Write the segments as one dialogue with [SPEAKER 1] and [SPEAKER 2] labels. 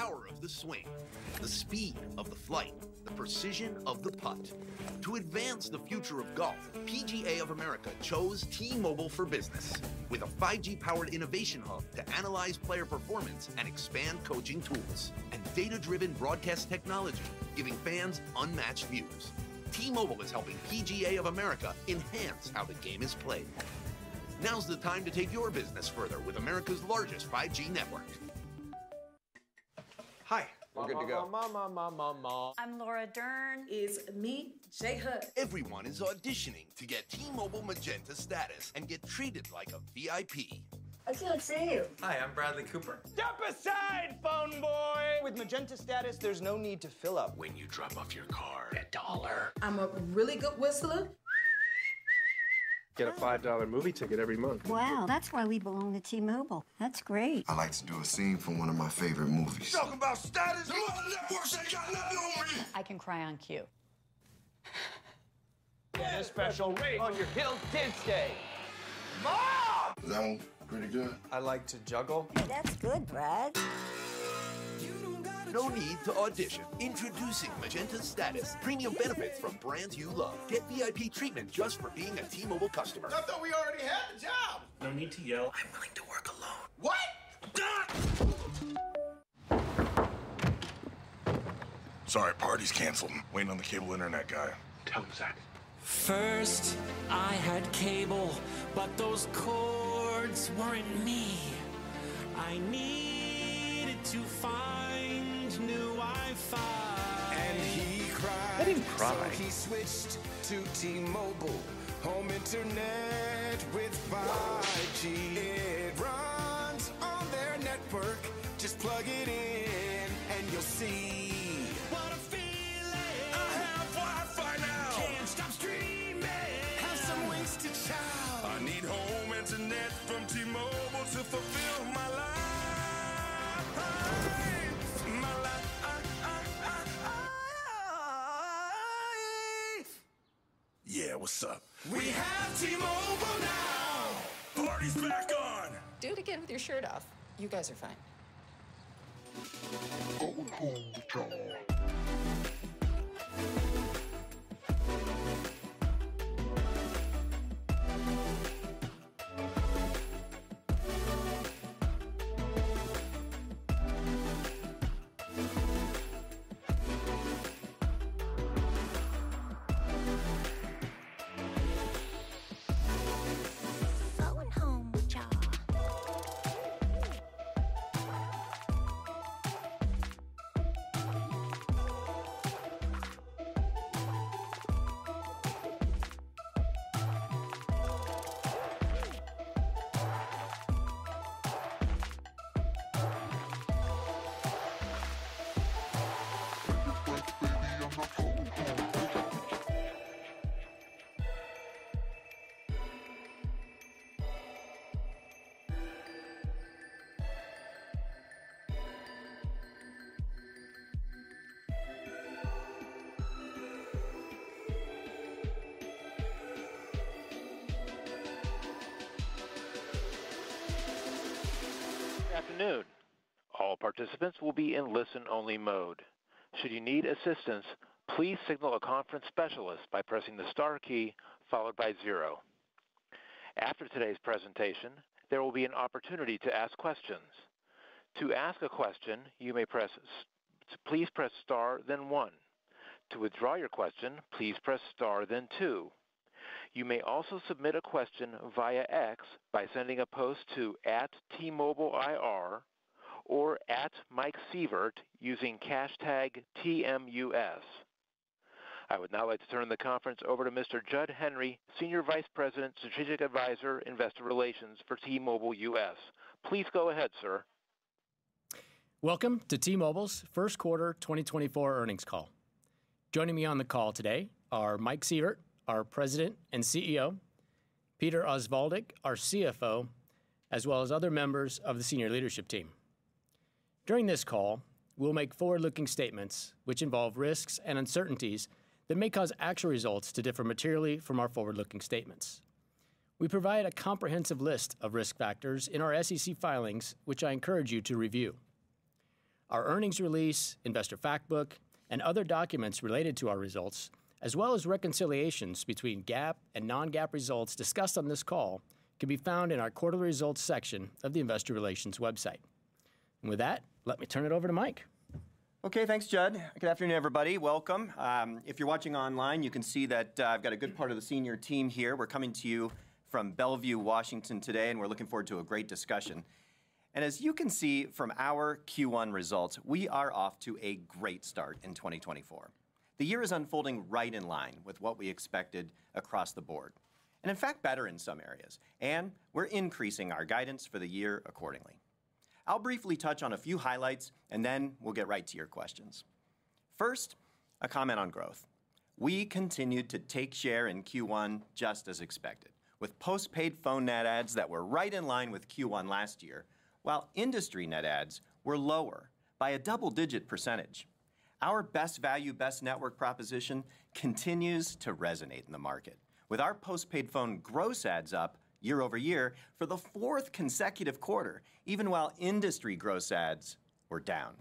[SPEAKER 1] The power of the swing, the speed of the flight, the precision of the putt. To advance the future of golf, PGA of America chose T-Mobile for Business, with 5G-powered innovation hub to analyze player performance and expand coaching tools, and data-driven broadcast technology, giving fans unmatched views. T-Mobile is helping PGA of America enhance how the game is played. Now's the time to take your business further with America's largest 5G network. Hi, we're good to go. Ma, ma, ma, ma, ma, ma, ma, ma. I'm Laura Dern. It's me, Jennifer Hudson. Everyone is auditioning to get T-Mobile Magenta Status and get treated like a VIP. I can't see you. Hi, I'm Bradley Cooper. Step aside, phone boy! With Magenta Status, there's no need to fill up- When you drop off your car, $1. I'm a really good whistler. Get a $5 movie ticket every month. Wow, that's why we belong to T-Mobile. That's great. I'd like to do a scene from one of my favorite movies. You talk about status, the other networks ain't got nothing on me! I can cry on cue. Get a special rate on your kids' day. Mom! Was that one pretty good? I like to juggle. That's good, Brad. No need to audition. Introducing Magenta Status, premium benefits from brands you love. Get VIP treatment just for being a T-Mobile customer. I thought we already had the job. No need to yell. I'm willing to work alone. What? Ah! Sorry, party's canceled. I'm waiting on the cable internet guy. Tell him, Zach. First, I had cable, but those cords weren't me. I needed to find new Wi-Fi. He cried. I didn't cry. So he switched to T-Mobile home internet with 5G. What? It runs on their network. Just plug it in, and you'll see. What a feeling! I have Wi-Fi now. Can't stop streaming. Have some Winston Chow. I need home internet from T-Mobile to fulfill my life. My life. Yeah, what's up? We have T-Mobile now! Party's back on. Do it again with your shirt off. You guys are fine. Going home with y'all. Going home with y'all. Pack your bags, baby, I'm not going home with you.
[SPEAKER 2] Good afternoon. All participants will be in listen-only mode. Should you need assistance, please signal a conference specialist by pressing the star key, followed by zero. After today's presentation, there will be an opportunity to ask questions. To ask a question, you may press... Please press star, then One. To withdraw your question, please press star, then Two. You may also submit a question via X by sending a post to @TMobileIR or @MikeSievert, using #TMUS. I would now like to turn the conference over to Mr. Jud Henry, Senior Vice President, Strategic Advisor, Investor Relations for T-Mobile US. Please go ahead, sir.
[SPEAKER 3] Welcome to T-Mobile's first quarter 2024 earnings call. Joining me on the call today are Mike Sievert, our President and CEO, Peter Osvaldik, our CFO, as well as other members of the senior leadership team. During this call, we'll make forward-looking statements which involve risks and uncertainties that may cause actual results to differ materially from our forward-looking statements. We provide a comprehensive list of risk factors in our SEC filings, which I encourage you to review. Our earnings release, investor fact book, and other documents related to our results, as well as reconciliations between GAAP and non-GAAP results discussed on this call, can be found in our Quarterly Results section of the Investor Relations website. With that, let me turn it over to Mike.
[SPEAKER 4] Okay, thanks, Jud. Good afternoon, everybody. Welcome. If you're watching online, you can see that, I've got a good part of the senior team here. We're coming to you from Bellevue, Washington, today, and we're looking forward to a great discussion. As you can see from our Q1 results, we are off to a great start in 2024. The year is unfolding right in line with what we expected across the board, and in fact, better in some areas, and we're increasing our guidance for the year accordingly. I'll briefly touch on a few highlights, and then we'll get right to your questions. First, a comment on growth. We continued to take share in Q1 just as expected, with post-paid phone net adds that were right in line with Q1 last year, while industry net adds were lower by a double-digit percentage. Our best value, best network proposition continues to resonate in the market, with our postpaid phone gross adds up year-over-year for the fourth consecutive quarter, even while industry gross adds were down.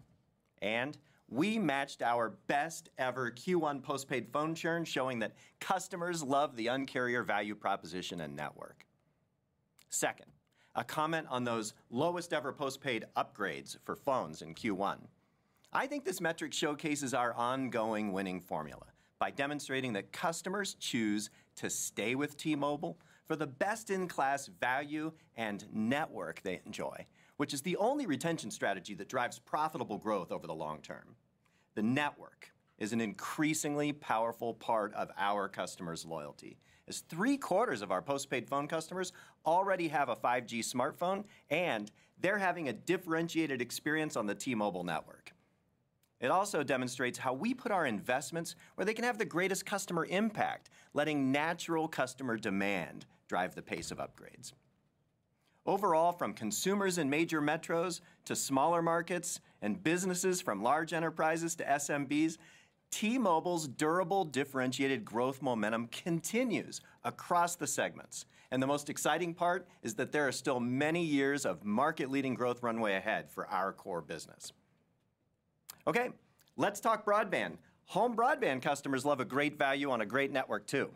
[SPEAKER 4] We matched our best ever Q1 postpaid phone churn, showing that customers love the Un-carrier value proposition and network. Second, a comment on those lowest ever postpaid upgrades for phones in Q1. I think this metric showcases our ongoing winning formula by demonstrating that customers choose to stay with T-Mobile for the best-in-class value and network they enjoy, which is the only retention strategy that drives profitable growth over the long term. The network is an increasingly powerful part of our customers' loyalty, as three-quarters of our postpaid phone customers already have a 5G smartphone, and they're having a differentiated experience on the T-Mobile network. It also demonstrates how we put our investments where they can have the greatest customer impact, letting natural customer demand drive the pace of upgrades. Overall, from consumers in major metros to smaller markets and businesses, from large enterprises to SMBs, T-Mobile's durable, differentiated growth momentum continues across the segments. The most exciting part is that there are still many years of market-leading growth runway ahead for our core business. Okay, let's talk broadband. Home broadband customers love a great value on a great network, too.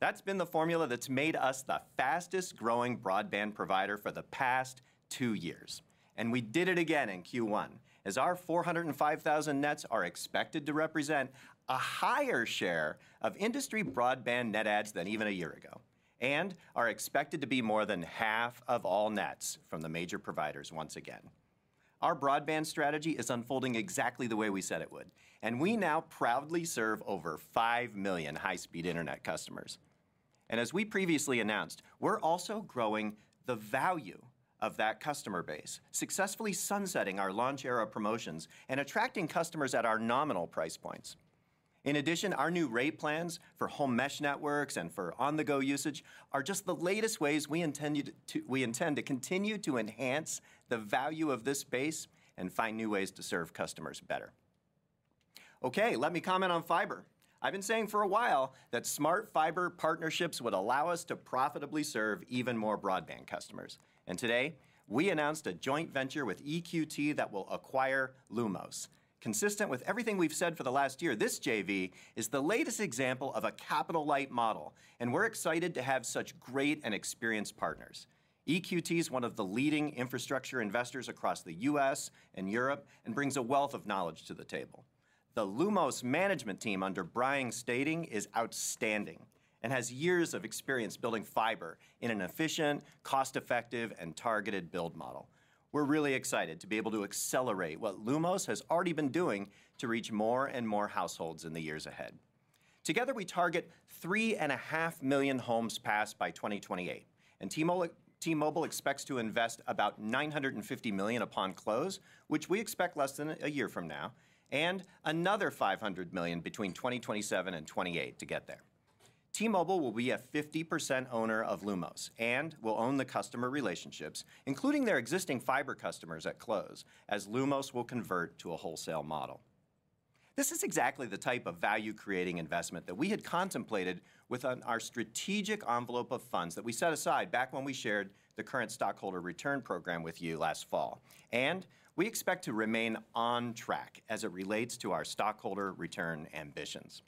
[SPEAKER 4] That's been the formula that's made us the fastest-growing broadband provider for the past two years, and we did it again in Q1, as our 405,000 nets are expected to represent a higher share of industry broadband net adds than even a year ago and are expected to be more than half of all nets from the major providers once again. Our broadband strategy is unfolding exactly the way we said it would, and we now proudly serve over 5 million high-speed internet customers. And as we previously announced, we're also growing the value of that customer base, successfully sunsetting our launch era promotions and attracting customers at our nominal price points. In addition, our new rate plans for home mesh networks and for on-the-go usage are just the latest ways we intended to-- we intend to continue to enhance the value of this base and find new ways to serve customers better. Okay, let me comment on fiber. I've been saying for a while that smart fiber partnerships would allow us to profitably serve even more broadband customers. And today, we announced a joint venture with EQT that will acquire Lumos. Consistent with everything we've said for the last year, this JV is the latest example of a capital-light model, and we're excited to have such great and experienced partners. EQT is one of the leading infrastructure investors across the U.S. and Europe and brings a wealth of knowledge to the table. The Lumos management team, under Brian Stading, is outstanding and has years of experience building fiber in an efficient, cost-effective, and targeted build model. We're really excited to be able to accelerate what Lumos has already been doing to reach more and more households in the years ahead. Together, we target 3.5 million homes passed by 2028, and T-Mobile, T-Mobile expects to invest about $950 million upon close, which we expect less than a year from now, and another $500 million between 2027 and 2028 to get there. T-Mobile will be a 50% owner of Lumos and will own the customer relationships, including their existing fiber customers at close, as Lumos will convert to a wholesale model. This is exactly the type of value-creating investment that we had contemplated within our strategic envelope of funds that we set aside back when we shared the current stockholder return program with you last fall, and we expect to remain on track as it relates to our stockholder return ambitions.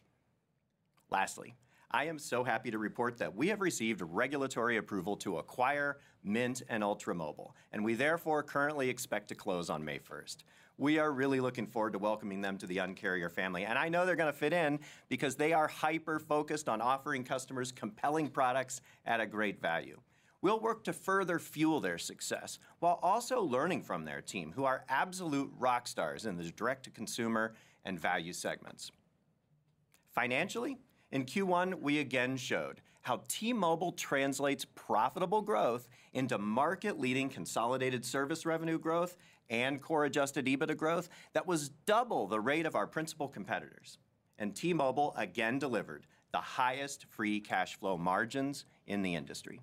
[SPEAKER 4] Lastly, I am so happy to report that we have received regulatory approval to acquire Mint and Ultra Mobile, and we therefore currently expect to close on May first. We are really looking forward to welcoming them to the Un-carrier family, and I know they're gonna fit in because they are hyper-focused on offering customers compelling products at a great value. We'll work to further fuel their success while also learning from their team, who are absolute rock stars in the direct-to-consumer and value segments. Financially, in Q1, we again showed how T-Mobile translates profitable growth into market-leading consolidated service revenue growth and core adjusted EBITDA growth that was double the rate of our principal competitors. T-Mobile again delivered the highest free cash flow margins in the industry.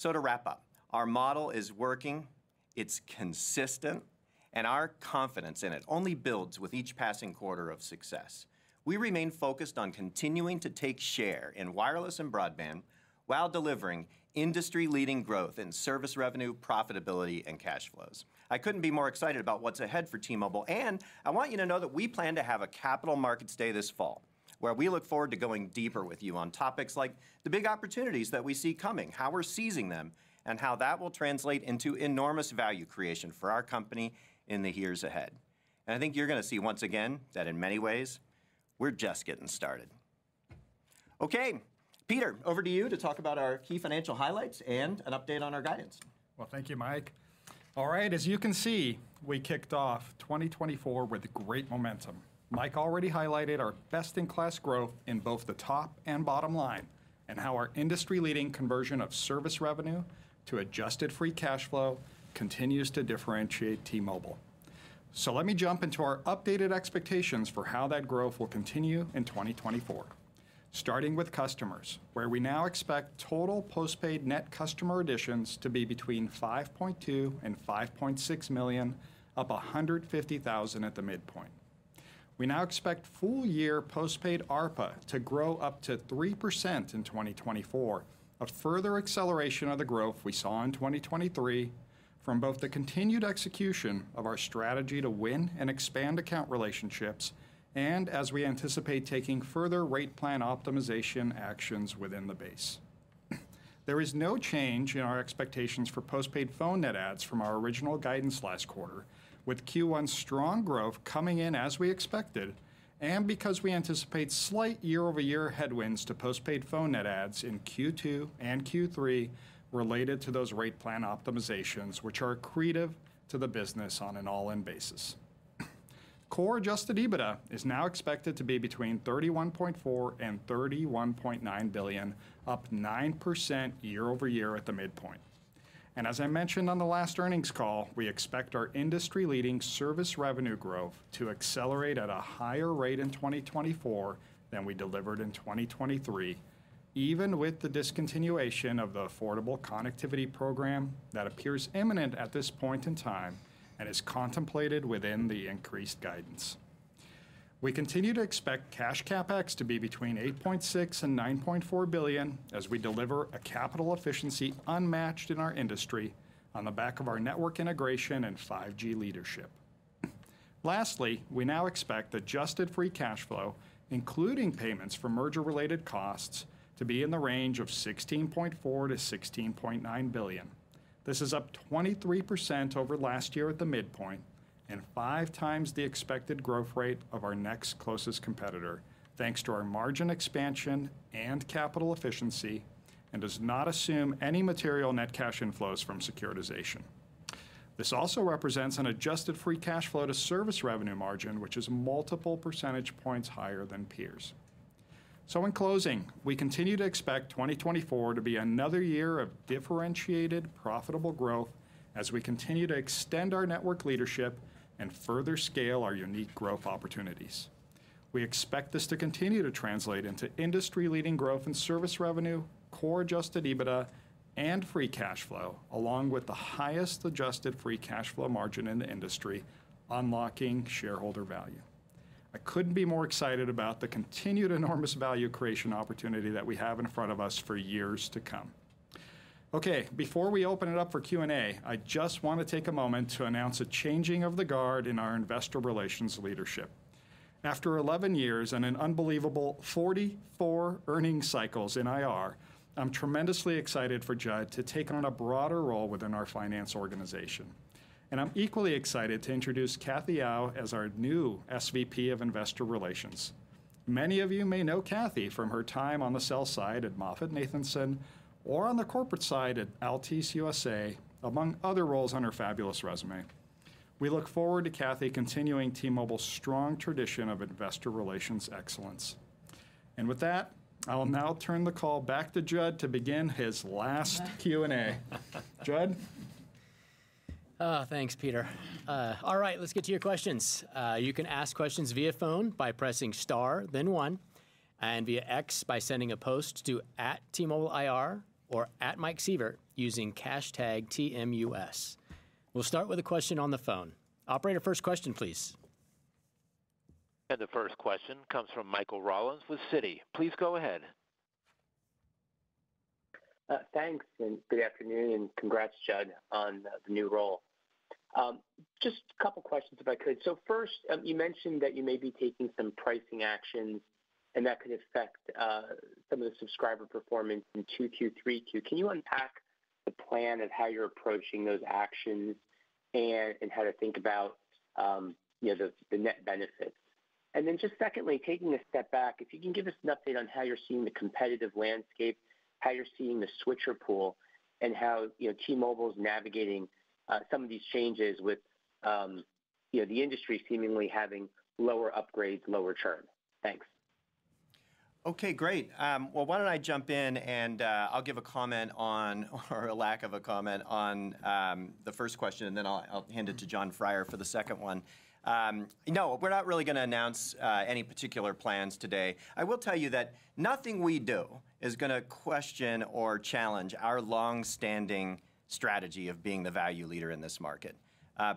[SPEAKER 4] To wrap up, our model is working, it's consistent, and our confidence in it only builds with each passing quarter of success. We remain focused on continuing to take share in wireless and broadband while delivering industry-leading growth in service revenue, profitability, and cash flows. I couldn't be more excited about what's ahead for T-Mobile, and I want you to know that we plan to have a Capital Markets Day this fall, where we look forward to going deeper with you on topics like the big opportunities that we see coming, how we're seizing them, and how that will translate into enormous value creation for our company in the years ahead. And I think you're gonna see once again that in many ways, we're just getting started. Okay, Peter, over to you to talk about our key financial highlights and an update on our guidance.
[SPEAKER 5] Well, thank you, Mike. All right, as you can see, we kicked off 2024 with great momentum. Mike already highlighted our best-in-class growth in both the top and bottom line and how our industry-leading conversion of service revenue to adjusted free cash flow continues to differentiate T-Mobile. So let me jump into our updated expectations for how that growth will continue in 2024. Starting with customers, where we now expect total postpaid net customer additions to be between 5.2 million and 5.6 million, up 150,000 at the midpoint. We now expect full-year postpaid ARPA to grow up to 3% in 2024, a further acceleration of the growth we saw in 2023 from both the continued execution of our strategy to win and expand account relationships, and as we anticipate taking further rate plan optimization actions within the base. There is no change in our expectations for postpaid phone net adds from our original guidance last quarter, with Q1's strong growth coming in as we expected, and because we anticipate slight year-over-year headwinds to postpaid phone net adds in Q2 and Q3 related to those rate plan optimizations, which are accretive to the business on an all-in basis. Core adjusted EBITDA is now expected to be between $31.4 billion and $31.9 billion, up 9% year-over-year at the midpoint. As I mentioned on the last earnings call, we expect our industry-leading service revenue growth to accelerate at a higher rate in 2024 than we delivered in 2023, even with the discontinuation of the Affordable Connectivity Program that appears imminent at this point in time and is contemplated within the increased guidance. We continue to expect cash CapEx to be between $8.6 billion and $9.4 billion as we deliver a capital efficiency unmatched in our industry on the back of our network integration and 5G leadership. Lastly, we now expect adjusted free cash flow, including payments for merger-related costs, to be in the range of $16.4 billion-$16.9 billion. This is up 23% over last year at the midpoint and 5 times the expected growth rate of our next closest competitor, thanks to our margin expansion and capital efficiency, and does not assume any material net cash inflows from securitization. This also represents an adjusted free cash flow to service revenue margin, which is multiple percentage points higher than peers. So in closing, we continue to expect 2024 to be another year of differentiated, profitable growth as we continue to extend our network leadership and further scale our unique growth opportunities. We expect this to continue to translate into industry-leading growth in service revenue, core adjusted EBITDA, and free cash flow, along with the highest adjusted free cash flow margin in the industry, unlocking shareholder value. I couldn't be more excited about the continued enormous value creation opportunity that we have in front of us for years to come. Okay, before we open it up for Q&A, I just want to take a moment to announce a changing of the guard in our investor relations leadership. After 11 years and an unbelievable 44 earnings cycles in IR, I'm tremendously excited for Jud to take on a broader role within our finance organization, and I'm equally excited to introduce Kathy Yao as our new SVP of Investor Relations. Many of you may know Kathy from her time on the sell-side at MoffettNathanson or on the corporate side at Altice USA, among other roles on her fabulous résumé. We look forward to Kathy continuing T-Mobile's strong tradition of investor relations excellence. And with that, I will now turn the call back to Jud to begin his last Q&A. Jud?
[SPEAKER 3] Oh, thanks, Peter. All right, let's get to your questions. You can ask questions via phone by pressing star, then one, and via X by sending a post to @@TMobileIR or @MikeSievert, using hashtag TMUS. We'll start with a question on the phone. Operator, first question, please.
[SPEAKER 2] The first question comes from Michael Rollins with Citi. Please go ahead.
[SPEAKER 6] Thanks, and good afternoon, and congrats, Jud, on the new role. Just a couple questions, if I could. So first, you mentioned that you may be taking some pricing actions, and that could affect some of the subscriber performance in Q2, Q3. Can you unpack the plan and how you're approaching those actions and how to think about, you know, the net benefits? And then just secondly, taking a step back, if you can give us an update on how you're seeing the competitive landscape, how you're seeing the switcher pool, and how, you know, T-Mobile's navigating some of these changes with, you know, the industry seemingly having lower upgrades, lower churn. Thanks.
[SPEAKER 4] Okay, great. Well, why don't I jump in, and I'll give a comment on or a lack of a comment on the first question, and then I'll hand it to Jon Freier for the second one. No, we're not really gonna announce any particular plans today. I will tell you that nothing we do is gonna question or challenge our long-standing strategy of being the value leader in this market.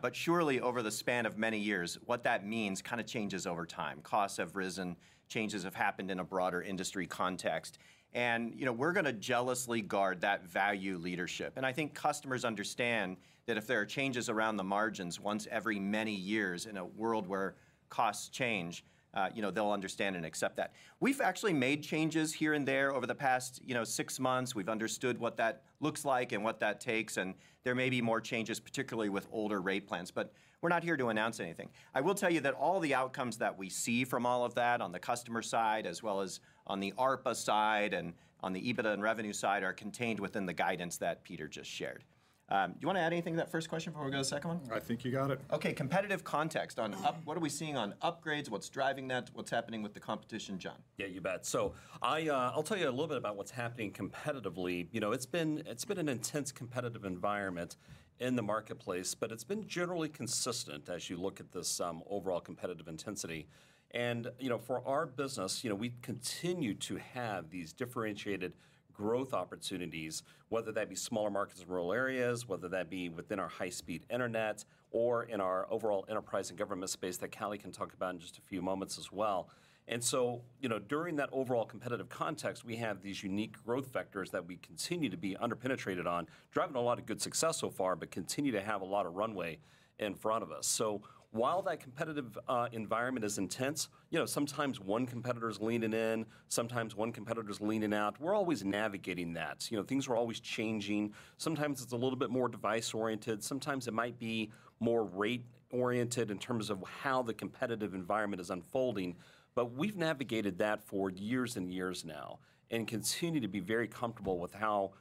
[SPEAKER 4] But surely, over the span of many years, what that means kinda changes over time. Costs have risen, changes have happened in a broader industry context, and you know, we're gonna jealously guard that value leadership. And I think customers understand that if there are changes around the margins once every many years in a world where costs change, you know, they'll understand and accept that. We've actually made changes here and there over the past, you know, six months. We've understood what that looks like and what that takes, and there may be more changes, particularly with older rate plans, but we're not here to announce anything. I will tell you that all the outcomes that we see from all of that on the customer side, as well as on the ARPA side and on the EBITDA and revenue side, are contained within the guidance that Peter just shared. Do you want to add anything to that first question before we go to the second one?
[SPEAKER 5] I think you got it.
[SPEAKER 4] Okay, competitive context on upgrades? What are we seeing on upgrades? What's driving that? What's happening with the competition, Jon?
[SPEAKER 7] Yeah, you bet. So I, I'll tell you a little bit about what's happening competitively. You know, it's been, it's been an intense competitive environment in the marketplace, but it's been generally consistent as you look at this, overall competitive intensity. And, you know, for our business, you know, we continue to have these differentiated growth opportunities, whether that be smaller markets in rural areas, whether that be within our high-speed internet, or in our overall enterprise and government space that Callie can talk about in just a few moments as well. And so, you know, during that overall competitive context, we have these unique growth vectors that we continue to be under-penetrated on, driving a lot of good success so far, but continue to have a lot of runway in front of us. So while that competitive environment is intense, you know, sometimes one competitor's leaning in, sometimes one competitor's leaning out. We're always navigating that. You know, things are always changing. Sometimes it's a little bit more device-oriented, sometimes it might be more rate-oriented in terms of how the competitive environment is unfolding, but we've navigated that for years and years now, and continue to be very comfortable with how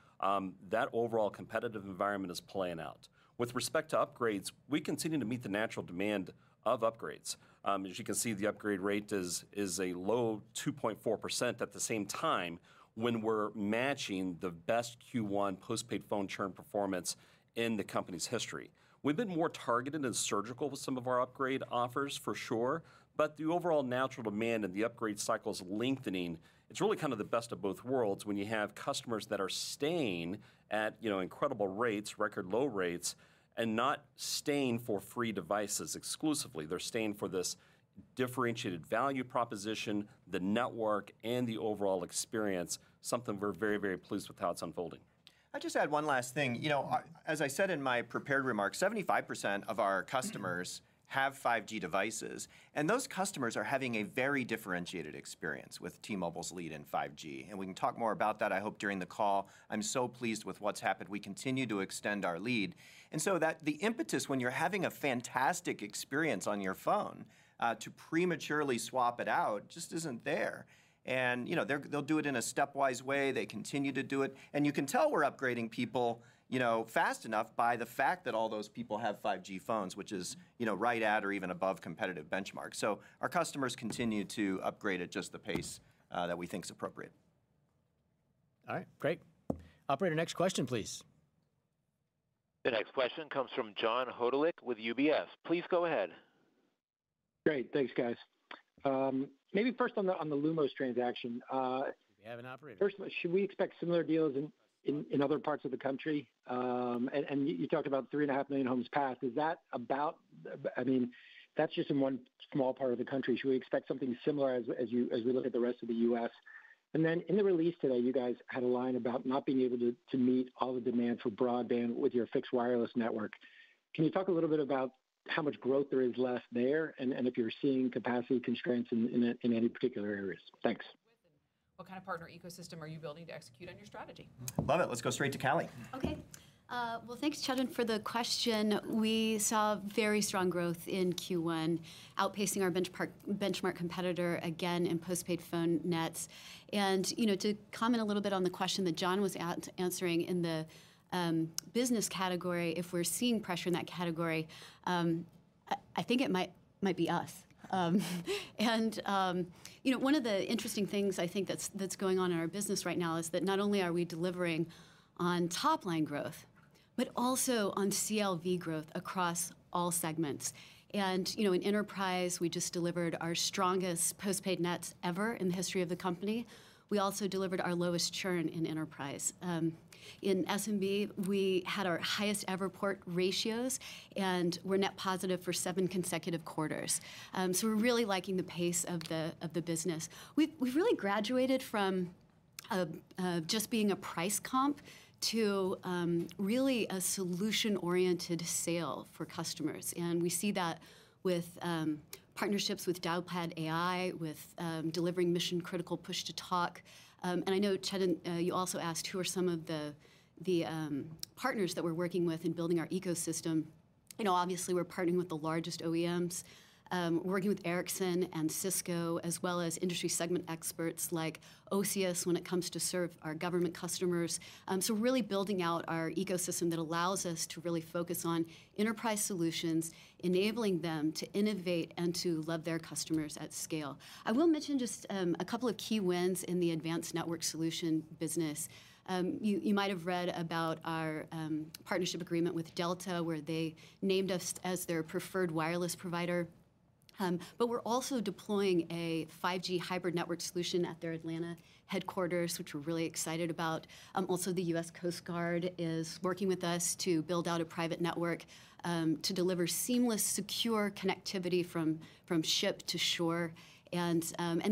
[SPEAKER 7] that overall competitive environment is playing out. With respect to upgrades, we continue to meet the natural demand of upgrades. As you can see, the upgrade rate is a low 2.4%. At the same time, when we're matching the best Q1 postpaid phone churn performance in the company's history. We've been more targeted and surgical with some of our upgrade offers, for sure, but the overall natural demand and the upgrade cycle is lengthening. It's really kind of the best of both worlds when you have customers that are staying at, you know, incredible rates, record low rates, and not staying for free devices exclusively. They're staying for this differentiated value proposition, the network, and the overall experience, something we're very, very pleased with how it's unfolding.
[SPEAKER 4] I'd just add one last thing. You know, as I said in my prepared remarks, 75% of our customers have 5G devices, and those customers are having a very differentiated experience with T-Mobile's lead in 5G. And we can talk more about that, I hope, during the call. I'm so pleased with what's happened. We continue to extend our lead, and so, the impetus when you're having a fantastic experience on your phone, to prematurely swap it out, just isn't there. And, you know, they'll do it in a stepwise way. They continue to do it, and you can tell we're upgrading people, you know, fast enough by the fact that all those people have 5G phones, which is, you know, right at or even above competitive benchmarks. So our customers continue to upgrade at just the pace that we think is appropriate.
[SPEAKER 3] All right, great. Operator, next question, please.
[SPEAKER 2] The next question comes from John Hodulik with UBS. Please go ahead.
[SPEAKER 8] Great. Thanks, guys. Maybe first on the Lumos transaction,
[SPEAKER 4] We have an operator.
[SPEAKER 8] Firstly, should we expect similar deals in other parts of the country? And you talked about 3.5 million homes passed. Is that about... I mean, that's just in one small part of the country. Should we expect something similar as we look at the rest of the US? And then in the release today, you guys had a line about not being able to meet all the demand for broadband with your fixed wireless network. Can you talk a little bit about how much growth there is left there, and if you're seeing capacity constraints in any particular areas? Thanks.
[SPEAKER 9] What kind of partner ecosystem are you building to execute on your strategy?
[SPEAKER 4] Love it. Let's go straight to Callie.
[SPEAKER 10] Okay. Well, thanks, Chad, for the question. We saw very strong growth in Q1, outpacing our benchmark competitor again in postpaid phone nets. And, you know, to comment a little bit on the question that Jon was answering in the business category, if we're seeing pressure in that category, I think it might be us. And, you know, one of the interesting things I think that's going on in our business right now is that not only are we delivering on top-line growth, but also on CLV growth across all segments. And, you know, in enterprise, we just delivered our strongest postpaid nets ever in the history of the company. We also delivered our lowest churn in enterprise. In SMB, we had our highest-ever port ratios, and we're net positive for seven consecutive quarters. So we're really liking the pace of the business. We've really graduated from just being a price comp to really a solution-oriented sale for customers, and we see that with partnerships with Dialpad AI, with delivering mission-critical push-to-talk. And I know, Chad, you also asked who are some of the partners that we're working with in building our ecosystem. You know, obviously, we're partnering with the largest OEMs, working with Ericsson and Cisco, as well as industry segment experts like Oceus when it comes to serve our government customers. So really building out our ecosystem that allows us to really focus on enterprise solutions, enabling them to innovate and to love their customers at scale. I will mention just a couple of key wins in the advanced network solution business. You might have read about our partnership agreement with Delta, where they named us as their preferred wireless provider, but we're also deploying a 5G hybrid network solution at their Atlanta headquarters, which we're really excited about. Also, the U.S. Coast Guard is working with us to build out a private network to deliver seamless, secure connectivity from ship to shore. And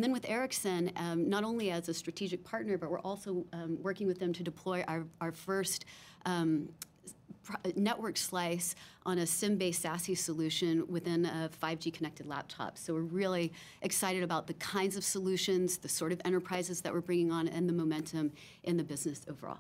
[SPEAKER 10] then with Ericsson, not only as a strategic partner, but we're also working with them to deploy our first network slice on a SIM-based SASE solution within a 5G-connected laptop. So we're really excited about the kinds of solutions, the sort of enterprises that we're bringing on, and the momentum in the business overall.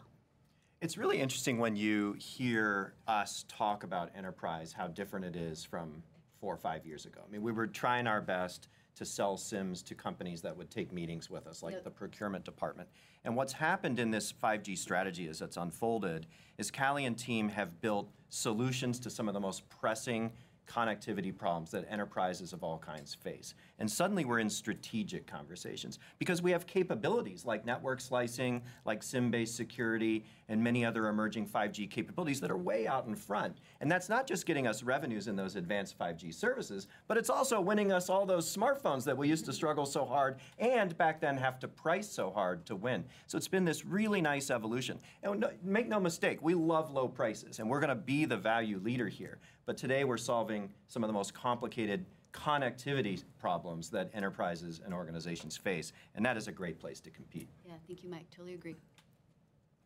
[SPEAKER 4] It's really interesting when you hear us talk about Enterprise, how different it is from four or five years ago. I mean, we were trying our best to sell SIMs to companies that would take meetings with us like the procurement department. And what's happened in this 5G strategy as it's unfolded, is Callie and team have built solutions to some of the most pressing connectivity problems that enterprises of all kinds face. And suddenly we're in strategic conversations because we have capabilities like network slicing, like SIM-based security, and many other emerging 5G capabilities that are way out in front. And that's not just getting us revenues in those advanced 5G services, but it's also winning us all those smartphones that we used to struggle so hard, and back then, have to price so hard to win. So it's been this really nice evolution. And make no mistake, we love low prices, and we're gonna be the value leader here. But today we're solving some of the most complicated connectivity problems that enterprises and organizations face, and that is a great place to compete.
[SPEAKER 10] Yeah. Thank you, Mike. Totally agree.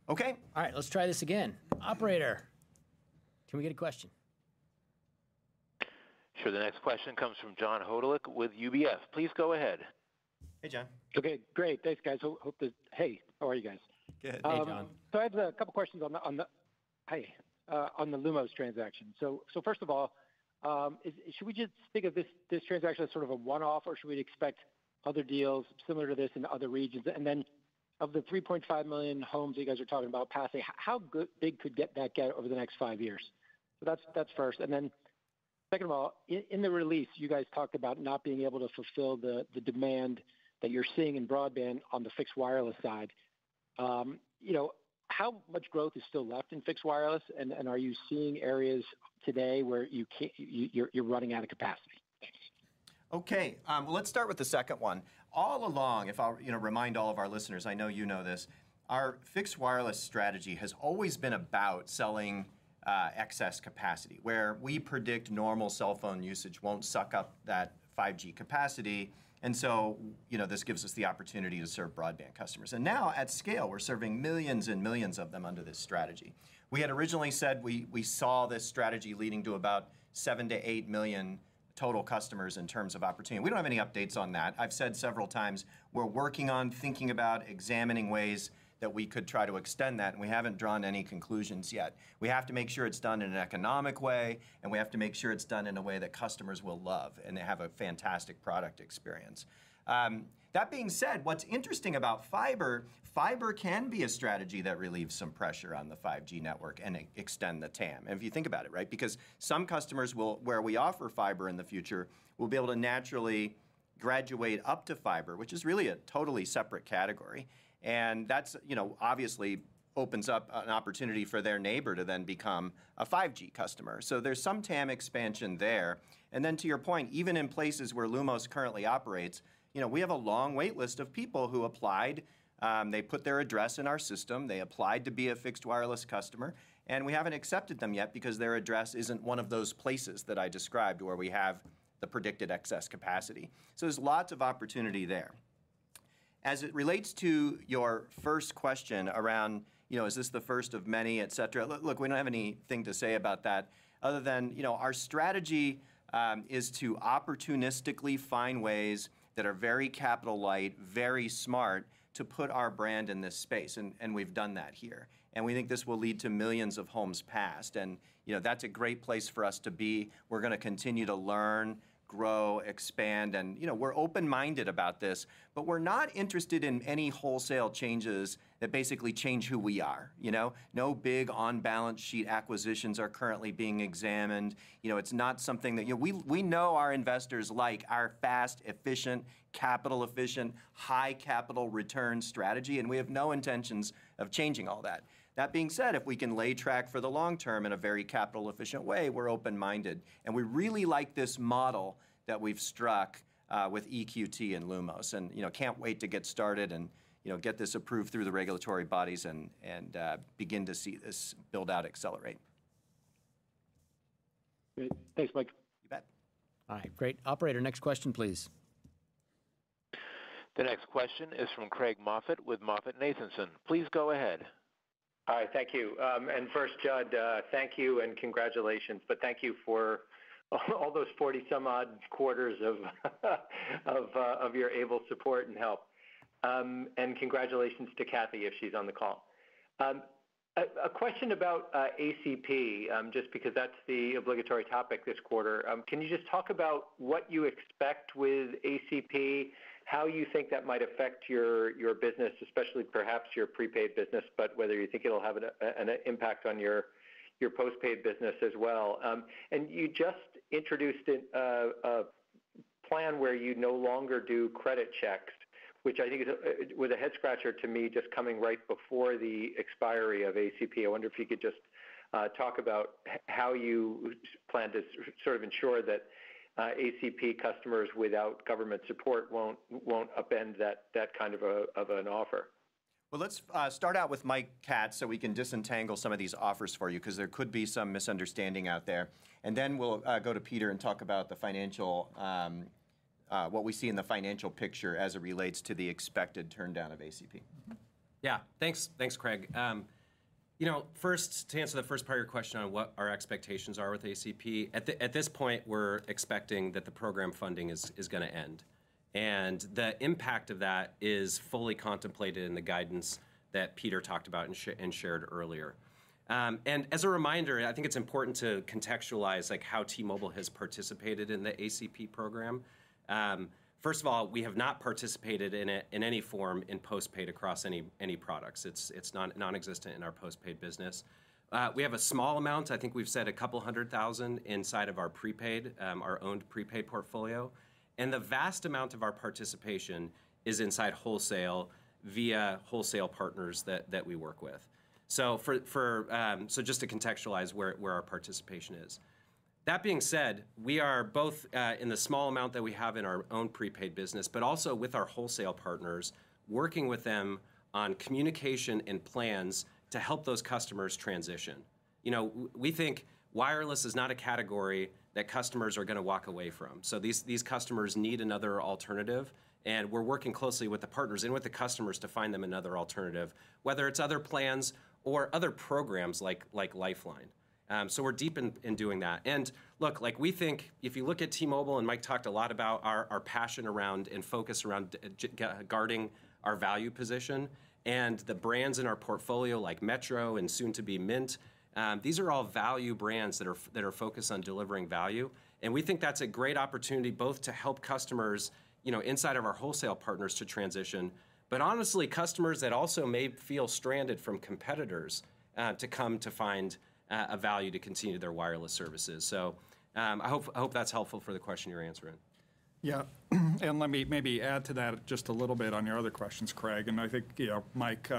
[SPEAKER 4] Okay! All right, let's try this again. Operator, can we get a question?
[SPEAKER 2] Sure. The next question comes from John Hodulik with UBS. Please go ahead.
[SPEAKER 4] Hey, John.
[SPEAKER 8] Okay, great. Thanks, guys. Hey, how are you guys?
[SPEAKER 4] Good. Hey, John.
[SPEAKER 8] So I have a couple questions on the Lumos transaction. So first of all, should we just think of this transaction as sort of a one-off, or should we expect other deals similar to this in other regions? And then of the 3.5 million homes you guys are talking about passing, how big could that get over the next five years? So that's first. And then, second of all, in the release, you guys talked about not being able to fulfill the demand that you're seeing in broadband on the fixed wireless side. You know, how much growth is still left in fixed wireless, and are you seeing areas today where you're running out of capacity?
[SPEAKER 4] Okay, let's start with the second one. All along, I'll, you know, remind all of our listeners, I know you know this, our fixed wireless strategy has always been about selling excess capacity, where we predict normal cell phone usage won't suck up that 5G capacity. And so, you know, this gives us the opportunity to serve broadband customers. And now, at scale, we're serving millions and millions of them under this strategy. We had originally said we saw this strategy leading to about 7-8 million total customers in terms of opportunity. We don't have any updates on that. I've said several times we're working on thinking about examining ways that we could try to extend that, and we haven't drawn any conclusions yet. We have to make sure it's done in an economic way, and we have to make sure it's done in a way that customers will love and they have a fantastic product experience. That being said, what's interesting about fiber, fiber can be a strategy that relieves some pressure on the 5G network and extend the TAM. If you think about it, right? Because some customers will, where we offer fiber in the future, will be able to naturally graduate up to fiber, which is really a totally separate category. And that's, you know, obviously opens up an opportunity for their neighbor to then become a 5G customer. So there's some TAM expansion there. And then to your point, even in places where Lumos currently operates, you know, we have a long wait list of people who applied. They put their address in our system, they applied to be a fixed wireless customer, and we haven't accepted them yet because their address isn't one of those places that I described where we have the predicted excess capacity. So there's lots of opportunity there. As it relates to your first question around, you know, is this the first of many, et cetera? Look, look, we don't have anything to say about that other than, you know, our strategy is to opportunistically find ways that are very capital light, very smart, to put our brand in this space, and, and we've done that here. And we think this will lead to millions of homes passed, and, you know, that's a great place for us to be. We're gonna continue to learn, grow, expand, and, you know, we're open-minded about this, but we're not interested in any wholesale changes that basically change who we are, you know? No big on-balance sheet acquisitions are currently being examined. You know, it's not something that... You know, we, we know our investors like our fast, efficient, capital-efficient, high capital return strategy, and we have no intentions of changing all that. That being said, if we can lay track for the long term in a very capital-efficient way, we're open-minded. And we really like this model that we've struck with EQT and Lumos, and, you know, can't wait to get started and, you know, get this approved through the regulatory bodies and, and begin to see this build-out accelerate.
[SPEAKER 8] Great. Thanks, Mike.
[SPEAKER 4] You bet.
[SPEAKER 3] All right, great. Operator, next question, please.
[SPEAKER 2] The next question is from Craig Moffett with MoffettNathanson. Please go ahead.
[SPEAKER 11] All right, thank you. And first, Jud, thank you and congratulations, but thank you for all those 40-some-odd quarters of your able support and help. And congratulations to Cathy, if she's on the call. A question about ACP, just because that's the obligatory topic this quarter. Can you just talk about what you expect with ACP, how you think that might affect your business, especially perhaps your prepaid business, but whether you think it'll have an impact on your postpaid business as well? And you just introduced a plan where you no longer do credit checks, which I think was a head scratcher to me, just coming right before the expiry of ACP. I wonder if you could just talk about how you plan to sort of ensure that ACP customers without government support won't upend that kind of an offer.
[SPEAKER 4] Well, let's start out with Mike Katz, so we can disentangle some of these offers for you, 'cause there could be some misunderstanding out there. And then we'll go to Peter and talk about the financial... What we see in the financial picture as it relates to the expected turndown of ACP.
[SPEAKER 11] Mm-hmm.
[SPEAKER 12] Yeah. Thanks. Thanks, Craig. You know, first, to answer the first part of your question on what our expectations are with ACP, at this point, we're expecting that the program funding is gonna end. And the impact of that is fully contemplated in the guidance that Peter talked about and shared earlier. And as a reminder, I think it's important to contextualize, like, how T-Mobile has participated in the ACP program. First of all, we have not participated in it in any form in postpaid across any products. It's non-existent in our postpaid business. We have a small amount, I think we've said 200,000 inside of our prepaid, our own prepaid portfolio, and the vast amount of our participation is inside wholesale via wholesale partners that we work with. So just to contextualize where our participation is. That being said, we are both in the small amount that we have in our own prepaid business, but also with our wholesale partners, working with them on communication and plans to help those customers transition. You know, we think wireless is not a category that customers are gonna walk away from. So these, these customers need another alternative, and we're working closely with the partners and with the customers to find them another alternative, whether it's other plans or other programs like, like Lifeline. So we're deep in, in doing that. And look, like, we think if you look at T-Mobile, and Mike talked a lot about our passion around and focus around guarding our value position and the brands in our portfolio, like Metro and soon to be Mint, these are all value brands that are focused on delivering value. And we think that's a great opportunity both to help customers, you know, inside of our wholesale partners to transition, but honestly, customers that also may feel stranded from competitors, to come to find a value to continue their wireless services. So, I hope, I hope that's helpful for the question you're answering.
[SPEAKER 5] Yeah. And let me maybe add to that just a little bit on your other questions, Craig. And I think, you know, Mike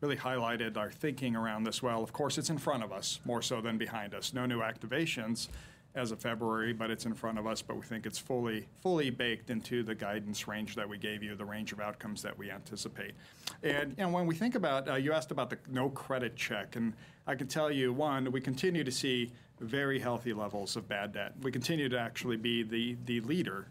[SPEAKER 5] really highlighted our thinking around this well. Of course, it's in front of us, more so than behind us. No new activations as of February, but it's in front of us, but we think it's fully, fully baked into the guidance range that we gave you, the range of outcomes that we anticipate. And, and when we think about... You asked about the no credit check, and I can tell you, one, we continue to see very healthy levels of bad debt. We continue to actually be the leader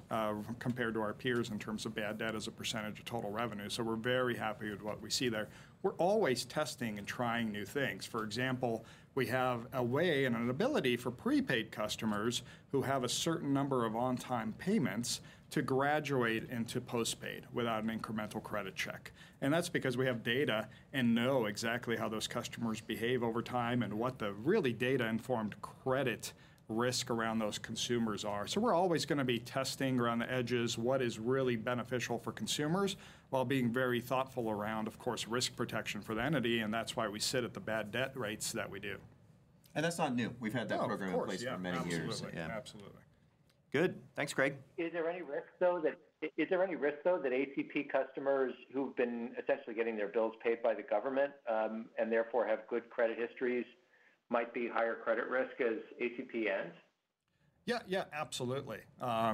[SPEAKER 5] compared to our peers in terms of bad debt as a percentage of total revenue, so we're very happy with what we see there. We're always testing and trying new things. For example, we have a way and an ability for prepaid customers who have a certain number of on-time payments to graduate into postpaid without an incremental credit check, and that's because we have data and know exactly how those customers behave over time and what the really data-informed credit risk around those consumers are. So we're always gonna be testing around the edges what is really beneficial for consumers, while being very thoughtful around, of course, risk protection for the entity, and that's why we sit at the bad debt rates that we do.
[SPEAKER 4] That's not new. We've had that-
[SPEAKER 5] No, of course....
[SPEAKER 4] program in place for many years.
[SPEAKER 5] Absolutely.
[SPEAKER 4] Yeah.
[SPEAKER 5] Absolutely.
[SPEAKER 12] Good. Thanks, Craig.
[SPEAKER 11] Is there any risk, though, that ACP customers who've been essentially getting their bills paid by the government, and therefore have good credit histories, might be higher credit risk as ACP ends?
[SPEAKER 5] Yeah, yeah, absolutely.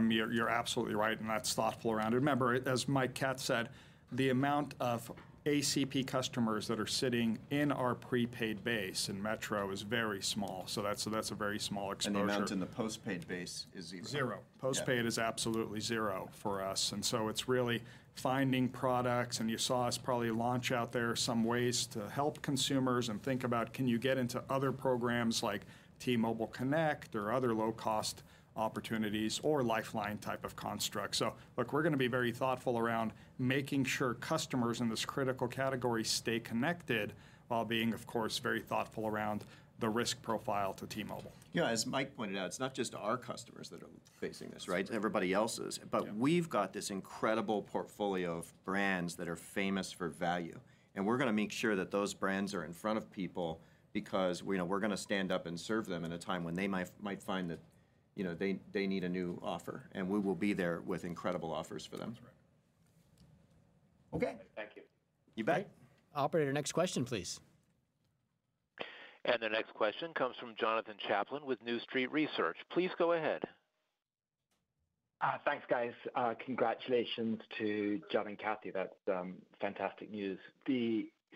[SPEAKER 5] You're absolutely right, and that's thoughtful around it. Remember, as Mike Katz said, the amount of ACP customers that are sitting in our prepaid base in Metro is very small, so that's a very small exposure.
[SPEAKER 12] The amount in the postpaid base is zero.
[SPEAKER 5] Zero. Postpaid is absolutely zero for us, and so it's really finding products, and you saw us probably launch out there some ways to help consumers and think about, can you get into other programs like T-Mobile Connect or other low-cost opportunities or Lifeline type of construct? So look, we're gonna be very thoughtful around making sure customers in this critical category stay connected while being, of course, very thoughtful around the risk profile to T-Mobile.
[SPEAKER 12] You know, as Mike pointed out, it's not just our customers that are facing this, right? Everybody else's.
[SPEAKER 5] Yeah.
[SPEAKER 12] But we've got this incredible portfolio of brands that are famous for value, and we're gonna make sure that those brands are in front of people because, you know, we're gonna stand up and serve them in a time when they might find that, you know, they need a new offer. And we will be there with incredible offers for them.
[SPEAKER 5] That's right.
[SPEAKER 12] Okay.
[SPEAKER 11] Thank you.
[SPEAKER 12] You bet.
[SPEAKER 3] Operator, next question, please.
[SPEAKER 2] The next question comes from Jonathan Chaplin with New Street Research. Please go ahead.
[SPEAKER 13] Thanks, guys. Congratulations to Jud and Kathy. That's fantastic news.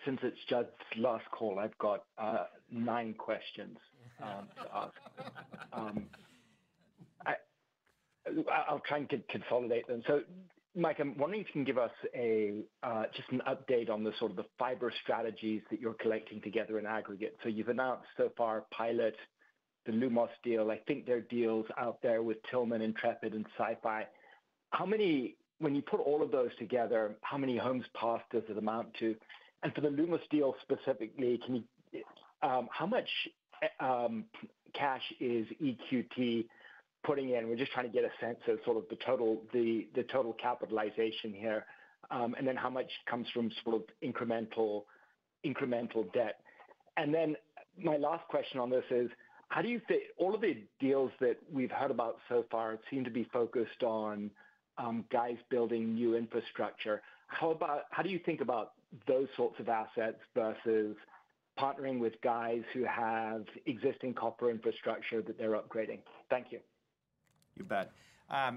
[SPEAKER 13] Since it's Jud's last call, I've got nine questions to ask. I'll try and consolidate them. So, Mike, I'm wondering if you can give us a just an update on the sort of the fiber strategies that you're collecting together in aggregate. So you've announced so far Pilot, the Lumos deal. I think there are deals out there with Tillman, Intrepid, and SiFi. How many—when you put all of those together, how many homes passed does it amount to? And for the Lumos deal specifically, can you how much cash is EQT putting in? We're just trying to get a sense of sort of the total, the, the total capitalization here, and then how much comes from sort of incremental, incremental debt. Then, my last question on this is: How do you fit all of the deals that we've heard about so far seem to be focused on, guys building new infrastructure. How about... How do you think about those sorts of assets versus partnering with guys who have existing copper infrastructure that they're upgrading? Thank you.
[SPEAKER 12] You bet.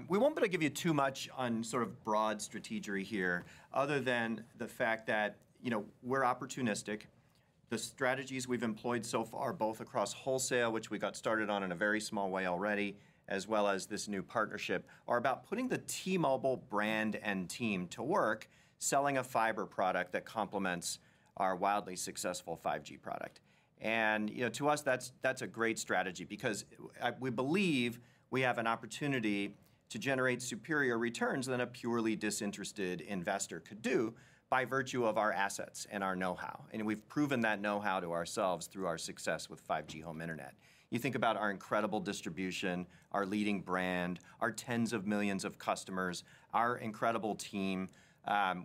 [SPEAKER 12] We won't be able to give you too much on sort of broad strategy here, other than the fact that, you know, we're opportunistic. The strategies we've employed so far, both across wholesale, which we got started on in a very small way already, as well as this new partnership, are about putting the T-Mobile brand and team to work selling a fiber product that complements our wildly successful 5G product. And, you know, to us, that's, that's a great strategy because, we believe we have an opportunity to generate superior returns than a purely disinterested investor could do by virtue of our assets and our know-how. And we've proven that know-how to ourselves through our success with 5G home internet. You think about our incredible distribution, our leading brand, our tens of millions of customers, our incredible team.